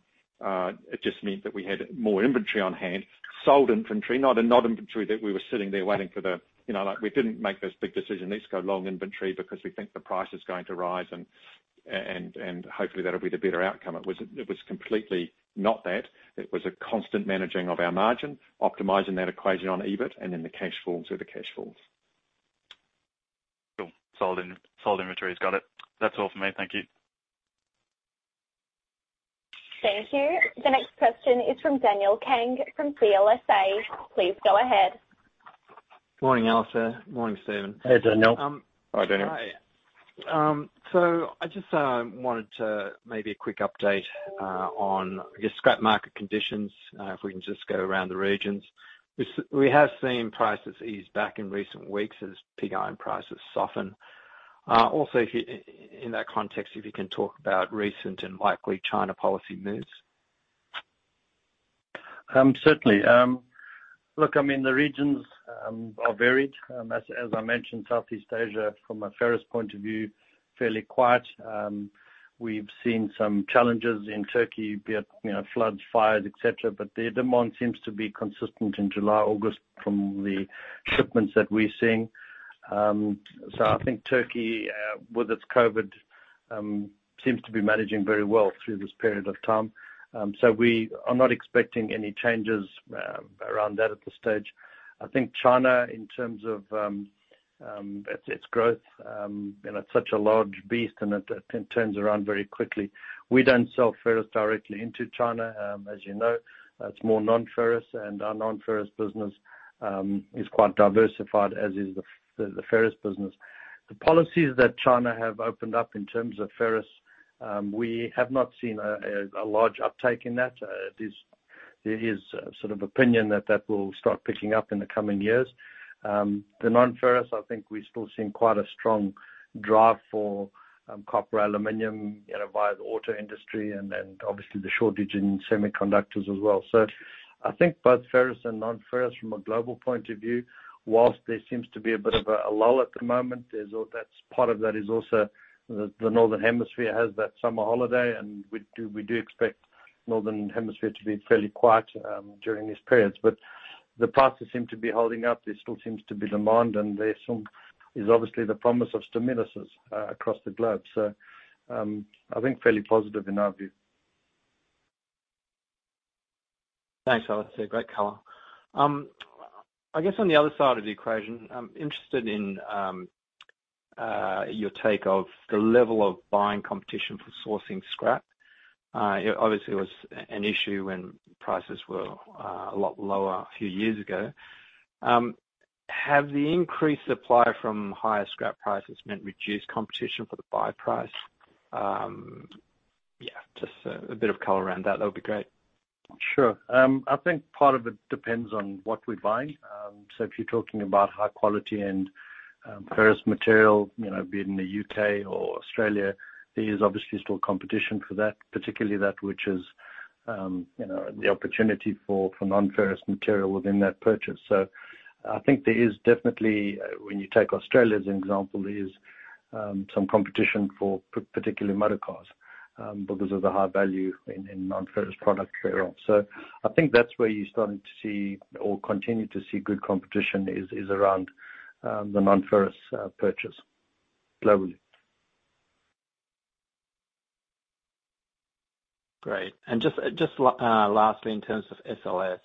it just meant that we had more inventory on hand. Sold inventory, not inventory that we were sitting there waiting for the-- We didn't make this big decision, let's go long inventory because we think the price is going to rise and hopefully that'll be the better outcome. It was completely not that. It was a constant managing of our margin, optimizing that equation on EBIT, and then the cash falls where the cash falls. Cool. Sold inventories. Got it. That's all from me. Thank you. Thank you. The next question is from Daniel Kang from CLSA. Please go ahead. Morning, Alistair. Morning, Stephen. Hey, Daniel. Hi, Daniel. Hi. I just wanted to maybe a quick update on, I guess, scrap market conditions, if we can just go around the regions. We have seen prices ease back in recent weeks as pig iron prices soften. Also, in that context, if you can talk about recent and likely China policy moves. Certainly. Look, I mean, the regions are varied. As I mentioned, Southeast Asia, from a ferrous point of view, fairly quiet. We've seen some challenges in Turkey, be it floods, fires, et cetera. Their demand seems to be consistent in July, August from the shipments that we're seeing. I think Turkey, with its COVID seems to be managing very well through this period of time. We are not expecting any changes around that at this stage. I think China, in terms of its growth, it's such a large beast. It turns around very quickly. We don't sell ferrous directly into China. As you know, it's more non-ferrous. Our non-ferrous business is quite diversified, as is the ferrous business. The policies that China have opened up in terms of ferrous, we have not seen a large uptake in that. There is a sort of opinion that that will start picking up in the coming years. The non-ferrous, I think we're still seeing quite a strong drive for copper, aluminum via the auto industry and then obviously the shortage in semiconductors as well. I think both ferrous and non-ferrous from a global point of view, whilst there seems to be a bit of a lull at the moment, part of that is also the Northern Hemisphere has that summer holiday and we do expect Northern Hemisphere to be fairly quiet during these periods. The prices seem to be holding up. There still seems to be demand, and there is obviously the promise of stimulus across the globe. I think fairly positive in our view. Thanks, Alistair. Great color. I guess on the other side of the equation, I'm interested in your take of the level of buying competition for sourcing scrap. Obviously, it was an issue when prices were a lot lower a few years ago. Have the increased supply from higher scrap prices meant reduced competition for the buy price? Just a bit of color around that would be great. Sure. I think part of it depends on what we're buying. If you're talking about high quality and ferrous material, be it in the U.K. or Australia, there is obviously still competition for that, particularly that which is the opportunity for non-ferrous material within that purchase. I think there is definitely, when you take Australia as an example, there is some competition for particularly motor cars because of the high value in non-ferrous product carryon. I think that's where you're starting to see or continue to see good competition is around the non-ferrous purchase globally. Great. Just lastly, in terms of SLS.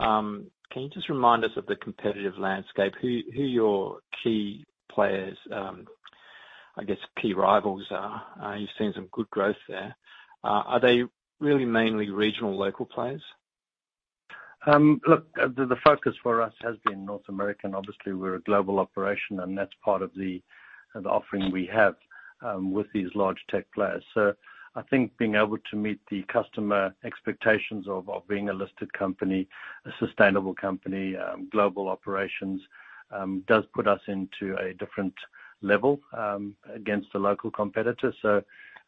Can you just remind us of the competitive landscape? Who your key players, I guess, key rivals are? You've seen some good growth there. Are they really mainly regional local players? Look, the focus for us has been North American. Obviously, we're a global operation, and that's part of the offering we have with these large tech players. I think being able to meet the customer expectations of being a listed company, a sustainable company, global operations, does put us into a different level against the local competitors.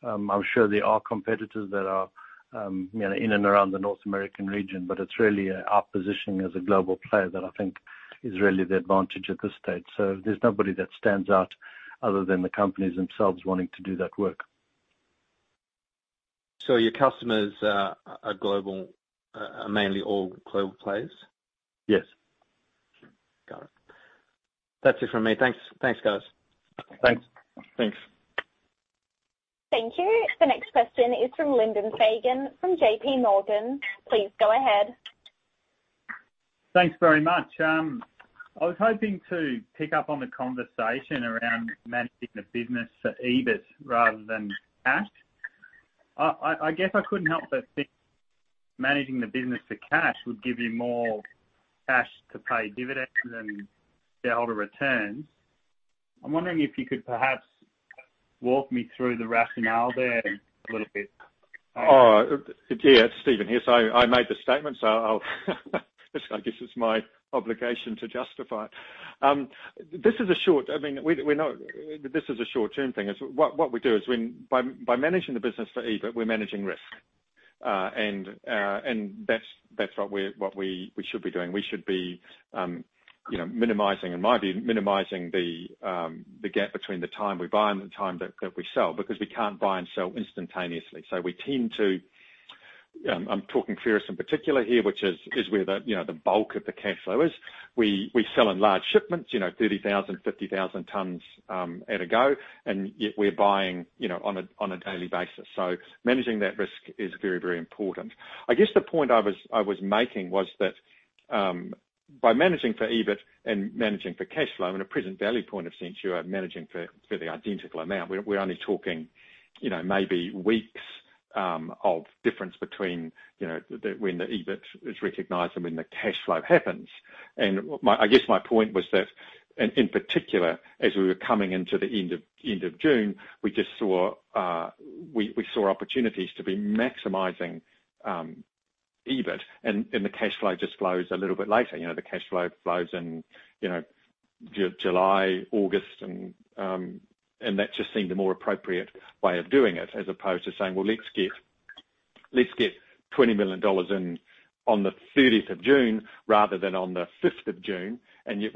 I'm sure there are competitors that are in and around the North American region, but it's really our positioning as a global player that I think is really the advantage at this stage. There's nobody that stands out other than the companies themselves wanting to do that work. Your customers are mainly all global players? Yes. Got it. That's it from me. Thanks, guys. Thanks. Thank you. The next question is from Lyndon Fagan from JPMorgan. Please go ahead. Thanks very much. I was hoping to pick up on the conversation around managing the business for EBIT rather than cash. I guess I couldn't help but think managing the business for cash would give you more cash to pay dividends and shareholder returns. I'm wondering if you could perhaps walk me through the rationale there a little bit. Oh, yeah. Stephen here. I made the statement, so I guess it's my obligation to justify. This is a short-term thing. What we do is by managing the business for EBIT, we're managing risk. That's what we should be doing. We should be minimizing, in my view, minimizing the gap between the time we buy and the time that we sell, because we can't buy and sell instantaneously. I'm talking ferrous in particular here, which is where the bulk of the cash flow is. We sell in large shipments, 30,000, 50,000 tons at a go, and yet we're buying on a daily basis. Managing that risk is very important. I guess the point I was making was that by managing for EBIT and managing for cash flow in a present value point of sense, you are managing for the identical amount. We're only talking maybe weeks of difference between when the EBIT is recognized and when the cash flow happens. I guess my point was that, in particular, as we were coming into the end of June, we saw opportunities to be maximizing EBIT and the cash flow just flows a little bit later. The cash flow flows in July, August, that just seemed a more appropriate way of doing it, as opposed to saying, "Well, let's get 20 million dollars in on the 30th of June rather than on the 5th of June." Yet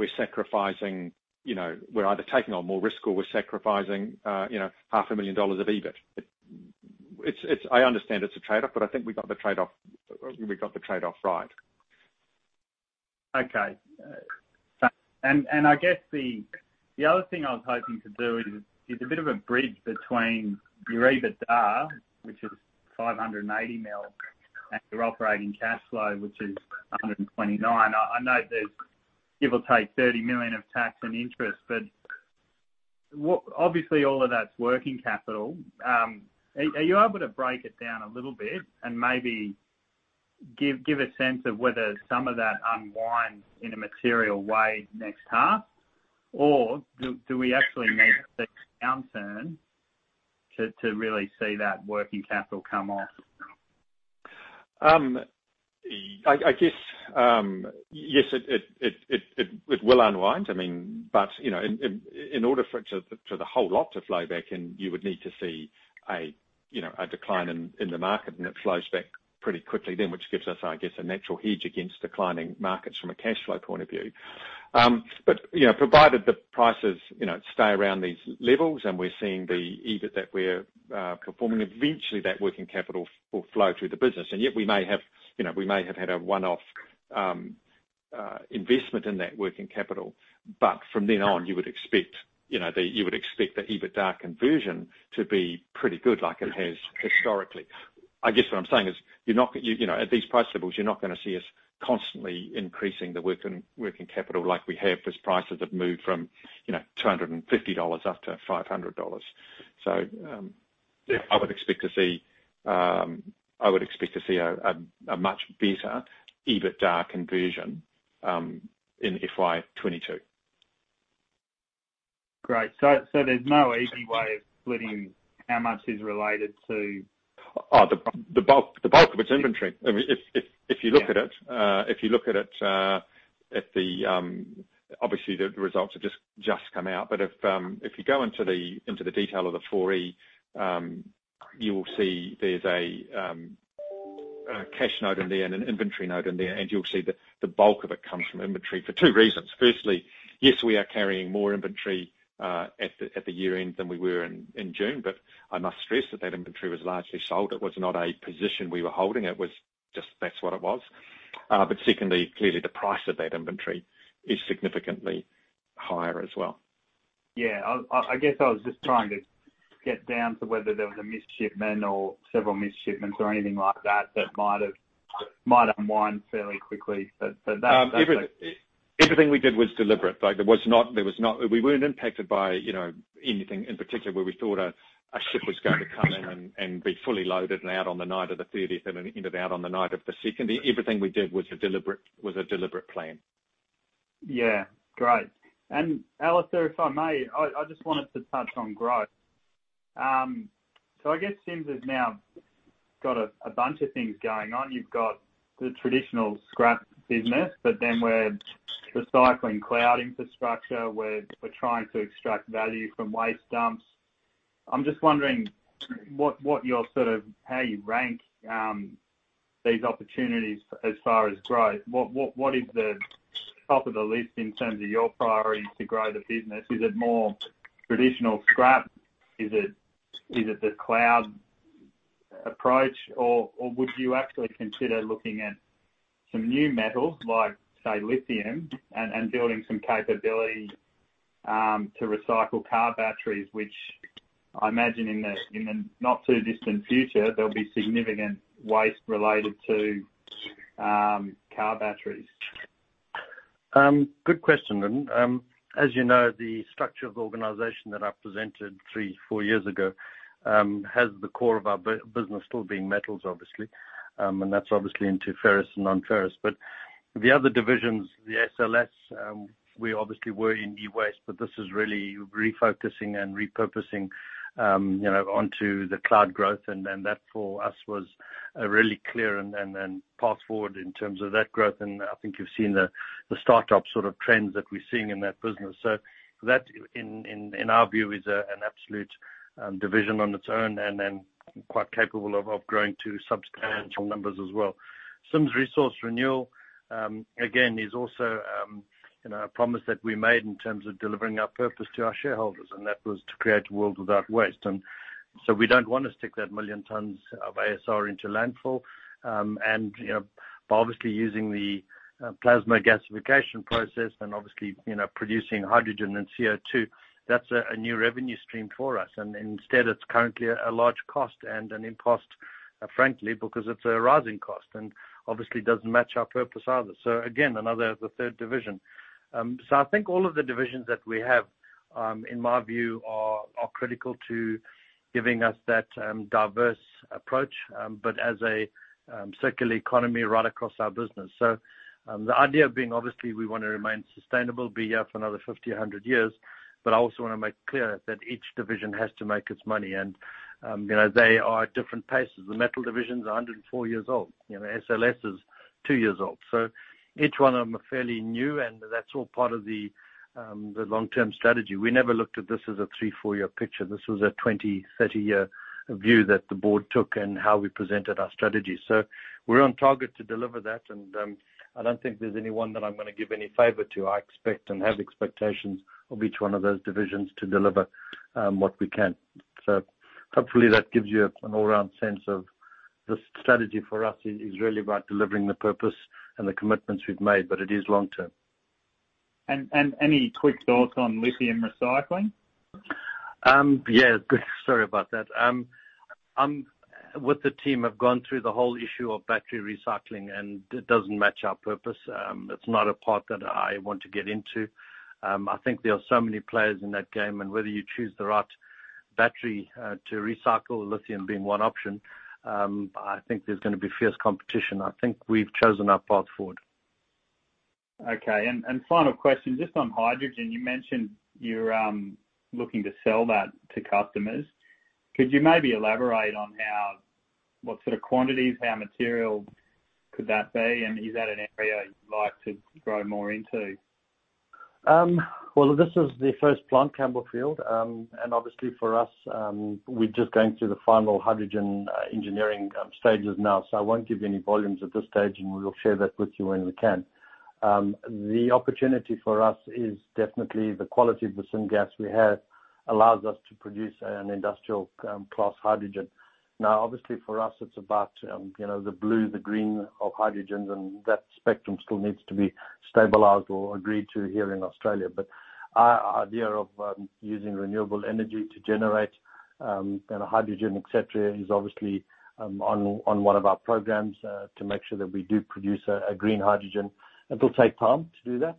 we're either taking on more risk or we're sacrificing half a million dollars of EBIT. I understand it's a trade-off, I think we got the trade-off right. Okay. I guess the other thing I was hoping to do is a bit of a bridge between your EBITDA, which is 580 million, and your operating cash flow, which is 129. I know there's give or take 30 million of tax and interest, but obviously all of that's working capital. Are you able to break it down a little bit and maybe give a sense of whether some of that unwinds in a material way next half? Or do we actually need the downturn to really see that working capital come off? I guess, yes, it will unwind. In order for the whole lot to flow back in, you would need to see a decline in the market, and it flows back pretty quickly then, which gives us, I guess, a natural hedge against declining markets from a cash flow point of view. Provided the prices stay around these levels and we're seeing the EBIT that we're performing, eventually that working capital will flow through the business. Yet we may have had a one-off investment in that working capital. From then on, you would expect the EBITDA conversion to be pretty good like it has historically. I guess what I'm saying is, at these price levels, you're not going to see us constantly increasing the working capital like we have as prices have moved from 250 dollars up to 500 dollars. I would expect to see a much better EBITDA conversion in FY 2022. Great. There's no easy way of splitting how much is related to- The bulk of it is inventory. I mean, if you look at it, obviously the results have just come out. If you go into the detail of the 4E, you will see there's a cash note in there and an inventory note in there, and you'll see the bulk of it comes from inventory for two reasons. Firstly, yes, we are carrying more inventory at the year-end than we were in June, but I must stress that that inventory was largely sold. It was not a position we were holding. It was just that's what it was. Secondly, clearly the price of that inventory is significantly higher as well. Yeah. I guess I was just trying to get down to whether there was a missed shipment or several missed shipments or anything like that that might unwind fairly quickly. That's. Everything we did was deliberate. We weren't impacted by anything in particular where we thought a ship was going to come in and be fully loaded and out on the night of the 30th and ended out on the night of the 2nd. Everything we did was a deliberate plan. Yeah. Great. Alistair, if I may, I just wanted to touch on growth. I guess Sims has now got a bunch of things going on. You've got the traditional scrap business, but then we're recycling cloud infrastructure, we're trying to extract value from waste dumps. I'm just wondering how you rank these opportunities as far as growth. What is the top of the list in terms of your priorities to grow the business? Is it more traditional scrap? Is it the cloud approach? Would you actually consider looking at some new metals, like, say, lithium and building some capability to recycle car batteries, which I imagine in the not-too-distant future, there'll be significant waste related to car batteries. Good question, Lyndon Fagan. As you know, the structure of the organization that I presented three, four years ago has the core of our business still being metals, obviously, and that's obviously into ferrous and non-ferrous. The other divisions, the SLS, we obviously were in e-waste, but this is really refocusing and repurposing onto the cloud growth. That for us was a really clear path forward in terms of that growth. I think you've seen the startup sort of trends that we're seeing in that business. That, in our view, is an absolute division on its own and quite capable of growing to substantial numbers as well. Sims Resource Renewal, again, is also a promise that we made in terms of delivering our purpose to our shareholders, and that was to create a world without waste. We don't want to stick that 1 million tons of ASR into landfill. Obviously using the plasma gasification process and obviously producing hydrogen and CO2, that's a new revenue stream for us. Instead, it's currently a large cost and an impost, frankly, because it's a rising cost and obviously doesn't match our purpose either. Again, another, the 3rd division. I think all of the divisions that we have, in my view, are critical to giving us that diverse approach, but as a circular economy right across our business. The idea being, obviously, we want to remain sustainable, be here for another 50, 100 years. I also want to make clear that each division has to make its money. They are at different paces. The Sims Metal division is 104 years old. SLS is 2 years old. Each one of them are fairly new, and that's all part of the long-term strategy. We never looked at this as a three, four-year picture. This was a 20, 30-year view that the board took and how we presented our strategy. We're on target to deliver that, and I don't think there's anyone that I'm going to give any favor to. I expect and have expectations of each one of those divisions to deliver what we can. Hopefully that gives you an all-round sense of. The strategy for us is really about delivering the purpose and the commitments we've made, but it is long-term. Any quick thoughts on lithium recycling? Yeah. Sorry about that. With the team, I've gone through the whole issue of battery recycling, and it doesn't match our purpose. It's not a part that I want to get into. I think there are so many players in that game, and whether you choose the right battery to recycle, lithium being one option, I think there's going to be fierce competition. I think we've chosen our path forward. Okay. Final question, just on hydrogen. You mentioned you're looking to sell that to customers. Could you maybe elaborate on what sort of quantities, how material could that be? Is that an area you'd like to grow more into? Well, this is the first plant, Campbellfield. Obviously, for us, we're just going through the final hydrogen engineering stages now. I won't give you any volumes at this stage, and we will share that with you when we can. The opportunity for us is definitely the quality of the syngas we have allows us to produce an industrial class hydrogen. Now, obviously, for us, it's about the blue, the green of hydrogens, and that spectrum still needs to be stabilized or agreed to here in Australia. Our idea of using renewable energy to generate hydrogen, et cetera, is obviously on one of our programs to make sure that we do produce a green hydrogen. It will take time to do that.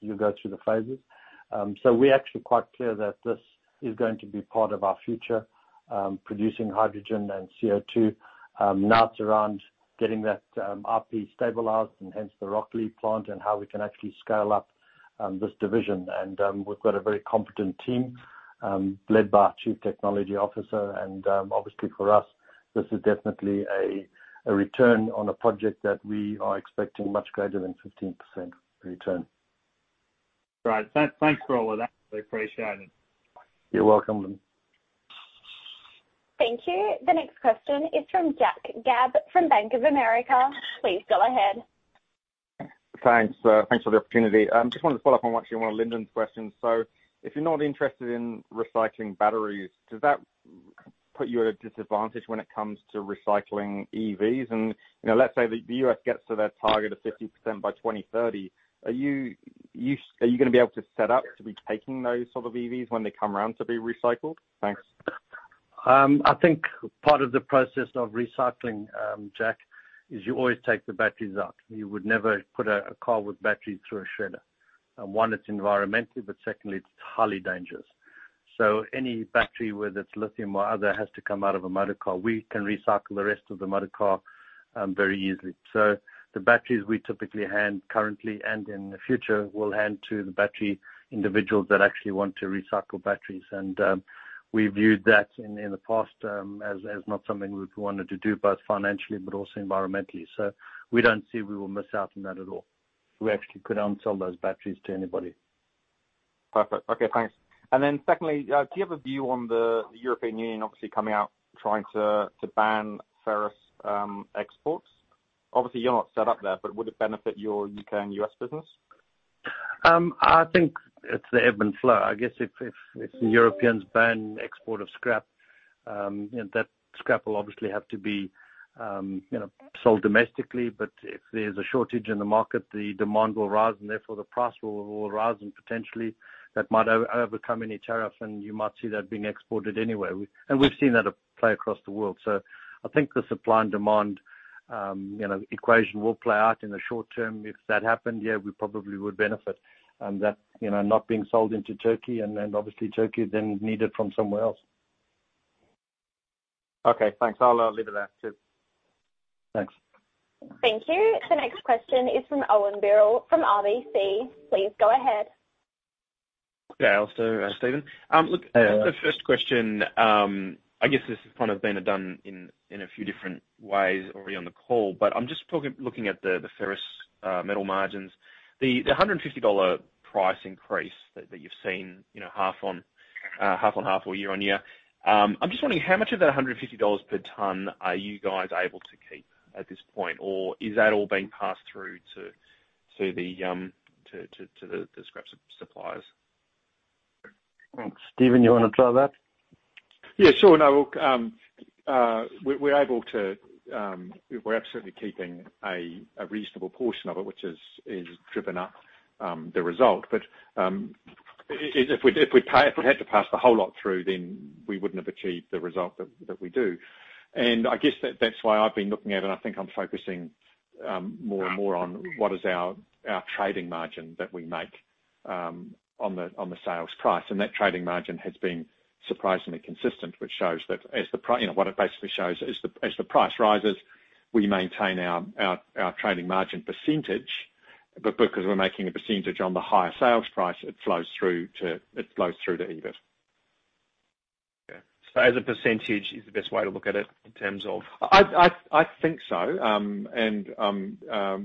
You'll go through the phases. We're actually quite clear that this is going to be part of our future, producing hydrogen and CO2. Now it's around getting that RP stabilized, and hence the Rocklea plant and how we can actually scale up this division. We've got a very competent team, led by our Chief Technology Officer. Obviously for us, this is definitely a return on a project that we are expecting much greater than 15% return. Right. Thanks for all of that. We appreciate it. You're welcome. Thank you. The next question is from Jack Gabb from Bank of America. Please go ahead. Thanks. Thanks for the opportunity. Just wanted to follow up on actually one of Lyndon's questions. If you're not interested in recycling batteries, does that put you at a disadvantage when it comes to recycling EVs? Let's say the U.S. gets to their target of 50% by 2030. Are you going to be able to set up to be taking those sort of EVs when they come around to be recycled? Thanks. I think part of the process of recycling, Jack, is you always take the batteries out. You would never put a car with batteries through a shredder. One, it's environmentally, but secondly, it's highly dangerous. Any battery, whether it's lithium or other, has to come out of a motor car. We can recycle the rest of the motor car very easily. The batteries we typically hand currently and in the future will hand to the battery individuals that actually want to recycle batteries. We viewed that in the past as not something we wanted to do, both financially but also environmentally. We don't see we will miss out on that at all. We actually could on-sell those batteries to anybody. Perfect. Okay, thanks. Secondly, do you have a view on the European Union, obviously coming out trying to ban ferrous exports? Obviously, you're not set up there, but would it benefit your U.K. and U.S. business? I think it's the ebb and flow. I guess if the Europeans ban export of scrap, that scrap will obviously have to be sold domestically. If there's a shortage in the market, the demand will rise, and therefore the price will rise, and potentially that might overcome any tariffs and you might see that being exported anyway. We've seen that play across the world. I think the supply and demand equation will play out in the short term. If that happened, yeah, we probably would benefit. That not being sold into Turkey, and obviously Turkey then need it from somewhere else. Okay, thanks. I'll leave it there, too. Thanks. Thank you. The next question is from Owen Birrell from RBC. Please go ahead. Yeah. Also, Stephen. Hey, Owen. Look, the first question, I guess this has kind of been done in a few different ways already on the call, but I'm just looking at the ferrous metal margins. The 150 dollar price increase that you've seen half-on-half or year-on-year. I'm just wondering how much of that 150 dollars per ton are you guys able to keep at this point? Or is that all being passed through to the scrap suppliers? Stephen, you want to try that? Yeah, sure. No, we're absolutely keeping a reasonable portion of it, which has driven up the result. If we had to pass the whole lot through, then we wouldn't have achieved the result that we do. I guess that's why I've been looking at it. I think I'm focusing more and more on what is our trading margin that we make on the sales price. That trading margin has been surprisingly consistent, which shows that as the price, what it basically shows is as the price rises, we maintain our trading margin percentage. Because we're making a percentage on the higher sales price, it flows through to EBIT. Yeah. As a percentage is the best way to look at it in terms of. I think so.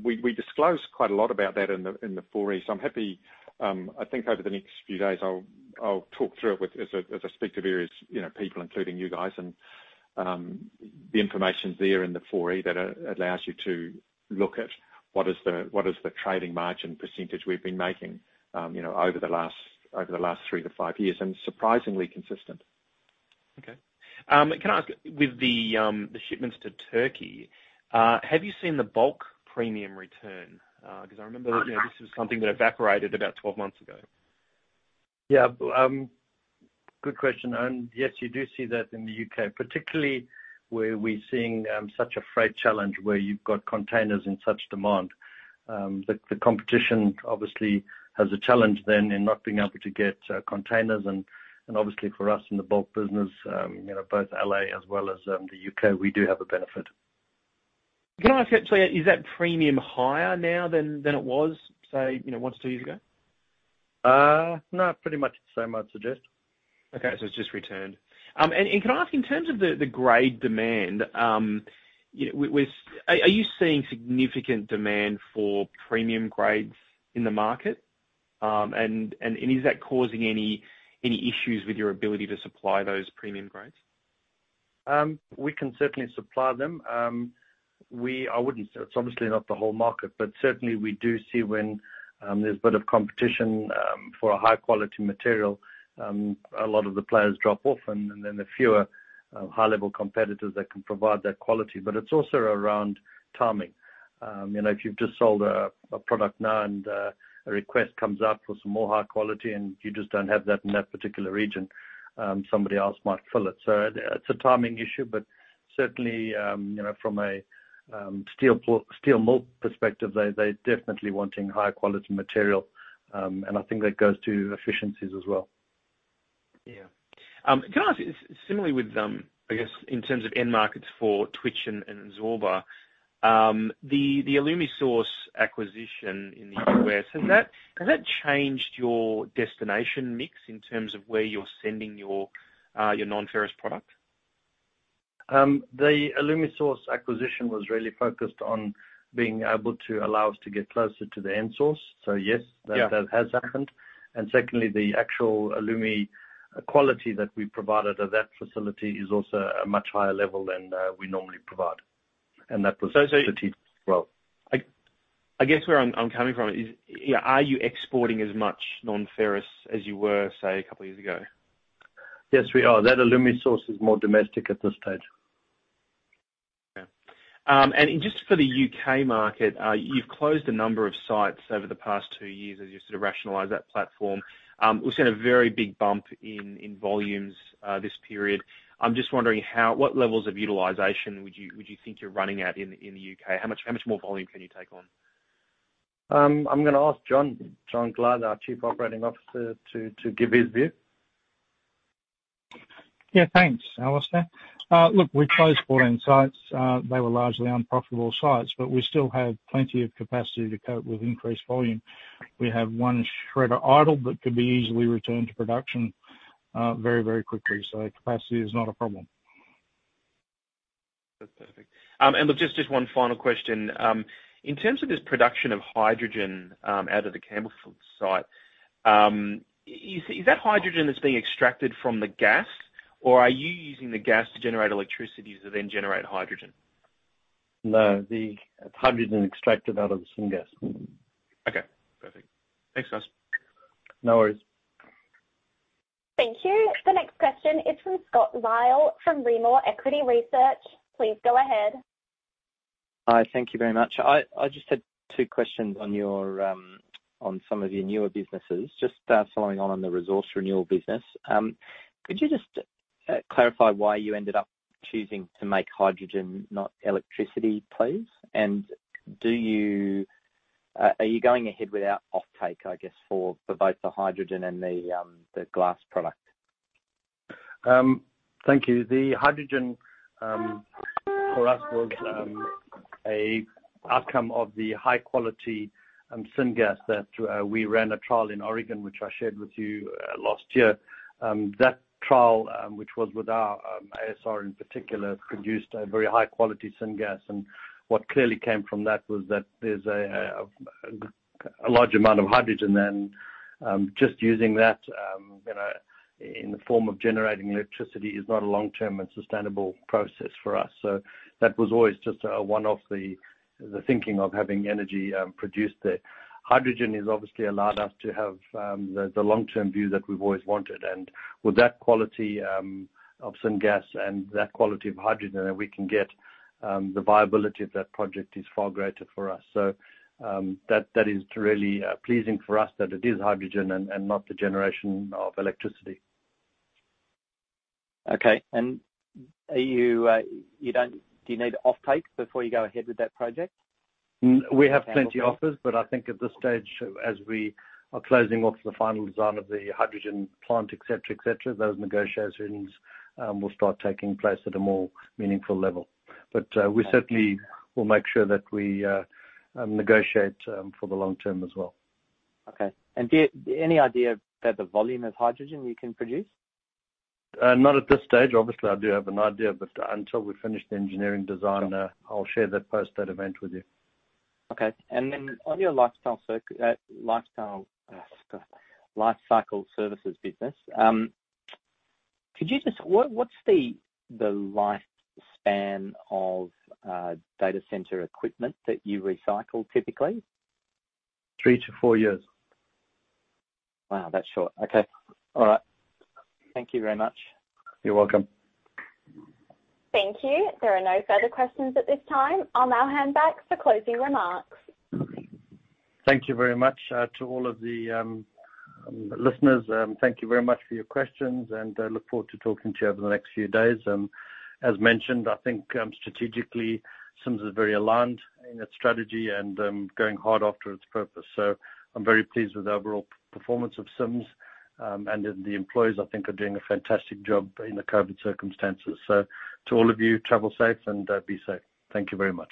We disclose quite a lot about that in the 4E. I'm happy, I think over the next few days I'll talk through it as I speak to various people, including you guys. The information's there in the 4E that allows you to look at what is the trading margin percentage we've been making over the last three to five years, and surprisingly consistent. Okay. Can I ask with the shipments to Turkey, have you seen the bulk premium return? I remember this was something that evaporated about 12 months ago. Yeah. Good question. Yes, you do see that in the U.K., particularly where we're seeing such a freight challenge where you've got containers in such demand. The competition obviously has a challenge then in not being able to get containers. Obviously for us in the bulk business, both L.A. as well as the U.K., we do have a benefit. Can I ask you, is that premium higher now than it was, say, once, two years ago? No, pretty much the same I'd suggest. Okay. It's just returned. Can I ask in terms of the grade demand, are you seeing significant demand for premium grades in the market? Is that causing any issues with your ability to supply those premium grades? We can certainly supply them. It's obviously not the whole market, but certainly we do see when there's a bit of competition for a high-quality material, a lot of the players drop off and then the fewer high-level competitors that can provide that quality. It's also around timing. If you've just sold a product now and a request comes up for some more high quality and you just don't have that in that particular region, somebody else might fill it. It's a timing issue, but certainly, from a steel mill perspective, they're definitely wanting higher quality material. I think that goes to efficiencies as well. Yeah. Can I ask similarly with, I guess, in terms of end markets for twitch and Zorba, the Alumisource acquisition in the U.S., has that changed your destination mix in terms of where you're sending your non-ferrous product? The Alumisource acquisition was really focused on being able to allow us to get closer to the end source. Yes, that has happened. Secondly, the actual alumi quality that we provided at that facility is also a much higher level than we normally provide. That was strategic as well. I guess where I'm coming from is are you exporting as much non-ferrous as you were, say, 2 years ago? Yes, we are. That Alumisource is more domestic at this stage. Okay. Just for the U.K. market, you've closed a number of sites over the past two years as you sort of rationalize that platform. We've seen a very big bump in volumes this period. I'm just wondering what levels of utilization would you think you're running at in the U.K.? How much more volume can you take on? I'm gonna ask John Glyde, our Chief Operating Officer, to give his view. Yeah, thanks, Alistair. Look, we closed 14 sites. They were largely unprofitable sites, but we still have plenty of capacity to cope with increased volume. We have one shredder idle that could be easily returned to production very, very quickly. Capacity is not a problem. That's perfect. Look, just one final question. In terms of this production of hydrogen out of the Campbellfield site, is that hydrogen that's being extracted from the gas or are you using the gas to generate electricity to then generate hydrogen? No, the hydrogen is extracted out of the syngas. Okay, perfect. Thanks, guys. No worries. Thank you. The next question is from Scott Ryall from Rimor Equity Research. Please go ahead. Hi. Thank you very much. I just had two questions on some of your newer businesses. Just following on the resource renewal business. Could you just clarify why you ended up choosing to make hydrogen not electricity, please? Are you going ahead without offtake, I guess, for both the hydrogen and the glass product? Thank you. The hydrogen for us was a outcome of the high quality syngas that we ran a trial in Oregon, which I shared with you last year. That trial, which was with our ASR in particular, produced a very high quality syngas and what clearly came from that was that there's a large amount of hydrogen and just using that in the form of generating electricity is not a long-term and sustainable process for us. That was always just one of the thinking of having energy produced there. Hydrogen has obviously allowed us to have the long-term view that we've always wanted, and with that quality of syngas and that quality of hydrogen that we can get, the viability of that project is far greater for us. That is really pleasing for us that it is hydrogen and not the generation of electricity. Okay. Do you need offtake before you go ahead with that project? We have plenty offers, but I think at this stage, as we are closing off the final design of the hydrogen plant, et cetera, those negotiations will start taking place at a more meaningful level. We certainly will make sure that we negotiate for the long term as well. Okay. Do you have any idea about the volume of hydrogen you can produce? Not at this stage. Obviously, I do have an idea, but until we finish the engineering design, I will share that post that event with you. Okay. Then on your life cycle services business, what's the life span of data center equipment that you recycle typically? Three to four years. Wow, that's short. Okay. All right. Thank you very much. You're welcome. Thank you. There are no further questions at this time. I will now hand back for closing remarks. Thank you very much to all of the listeners. Thank you very much for your questions, and I look forward to talking to you over the next few days. As mentioned, I think strategically, Sims is very aligned in its strategy and going hard after its purpose. I'm very pleased with the overall performance of Sims. The employees I think are doing a fantastic job in the COVID circumstances. To all of you, travel safe and be safe. Thank you very much.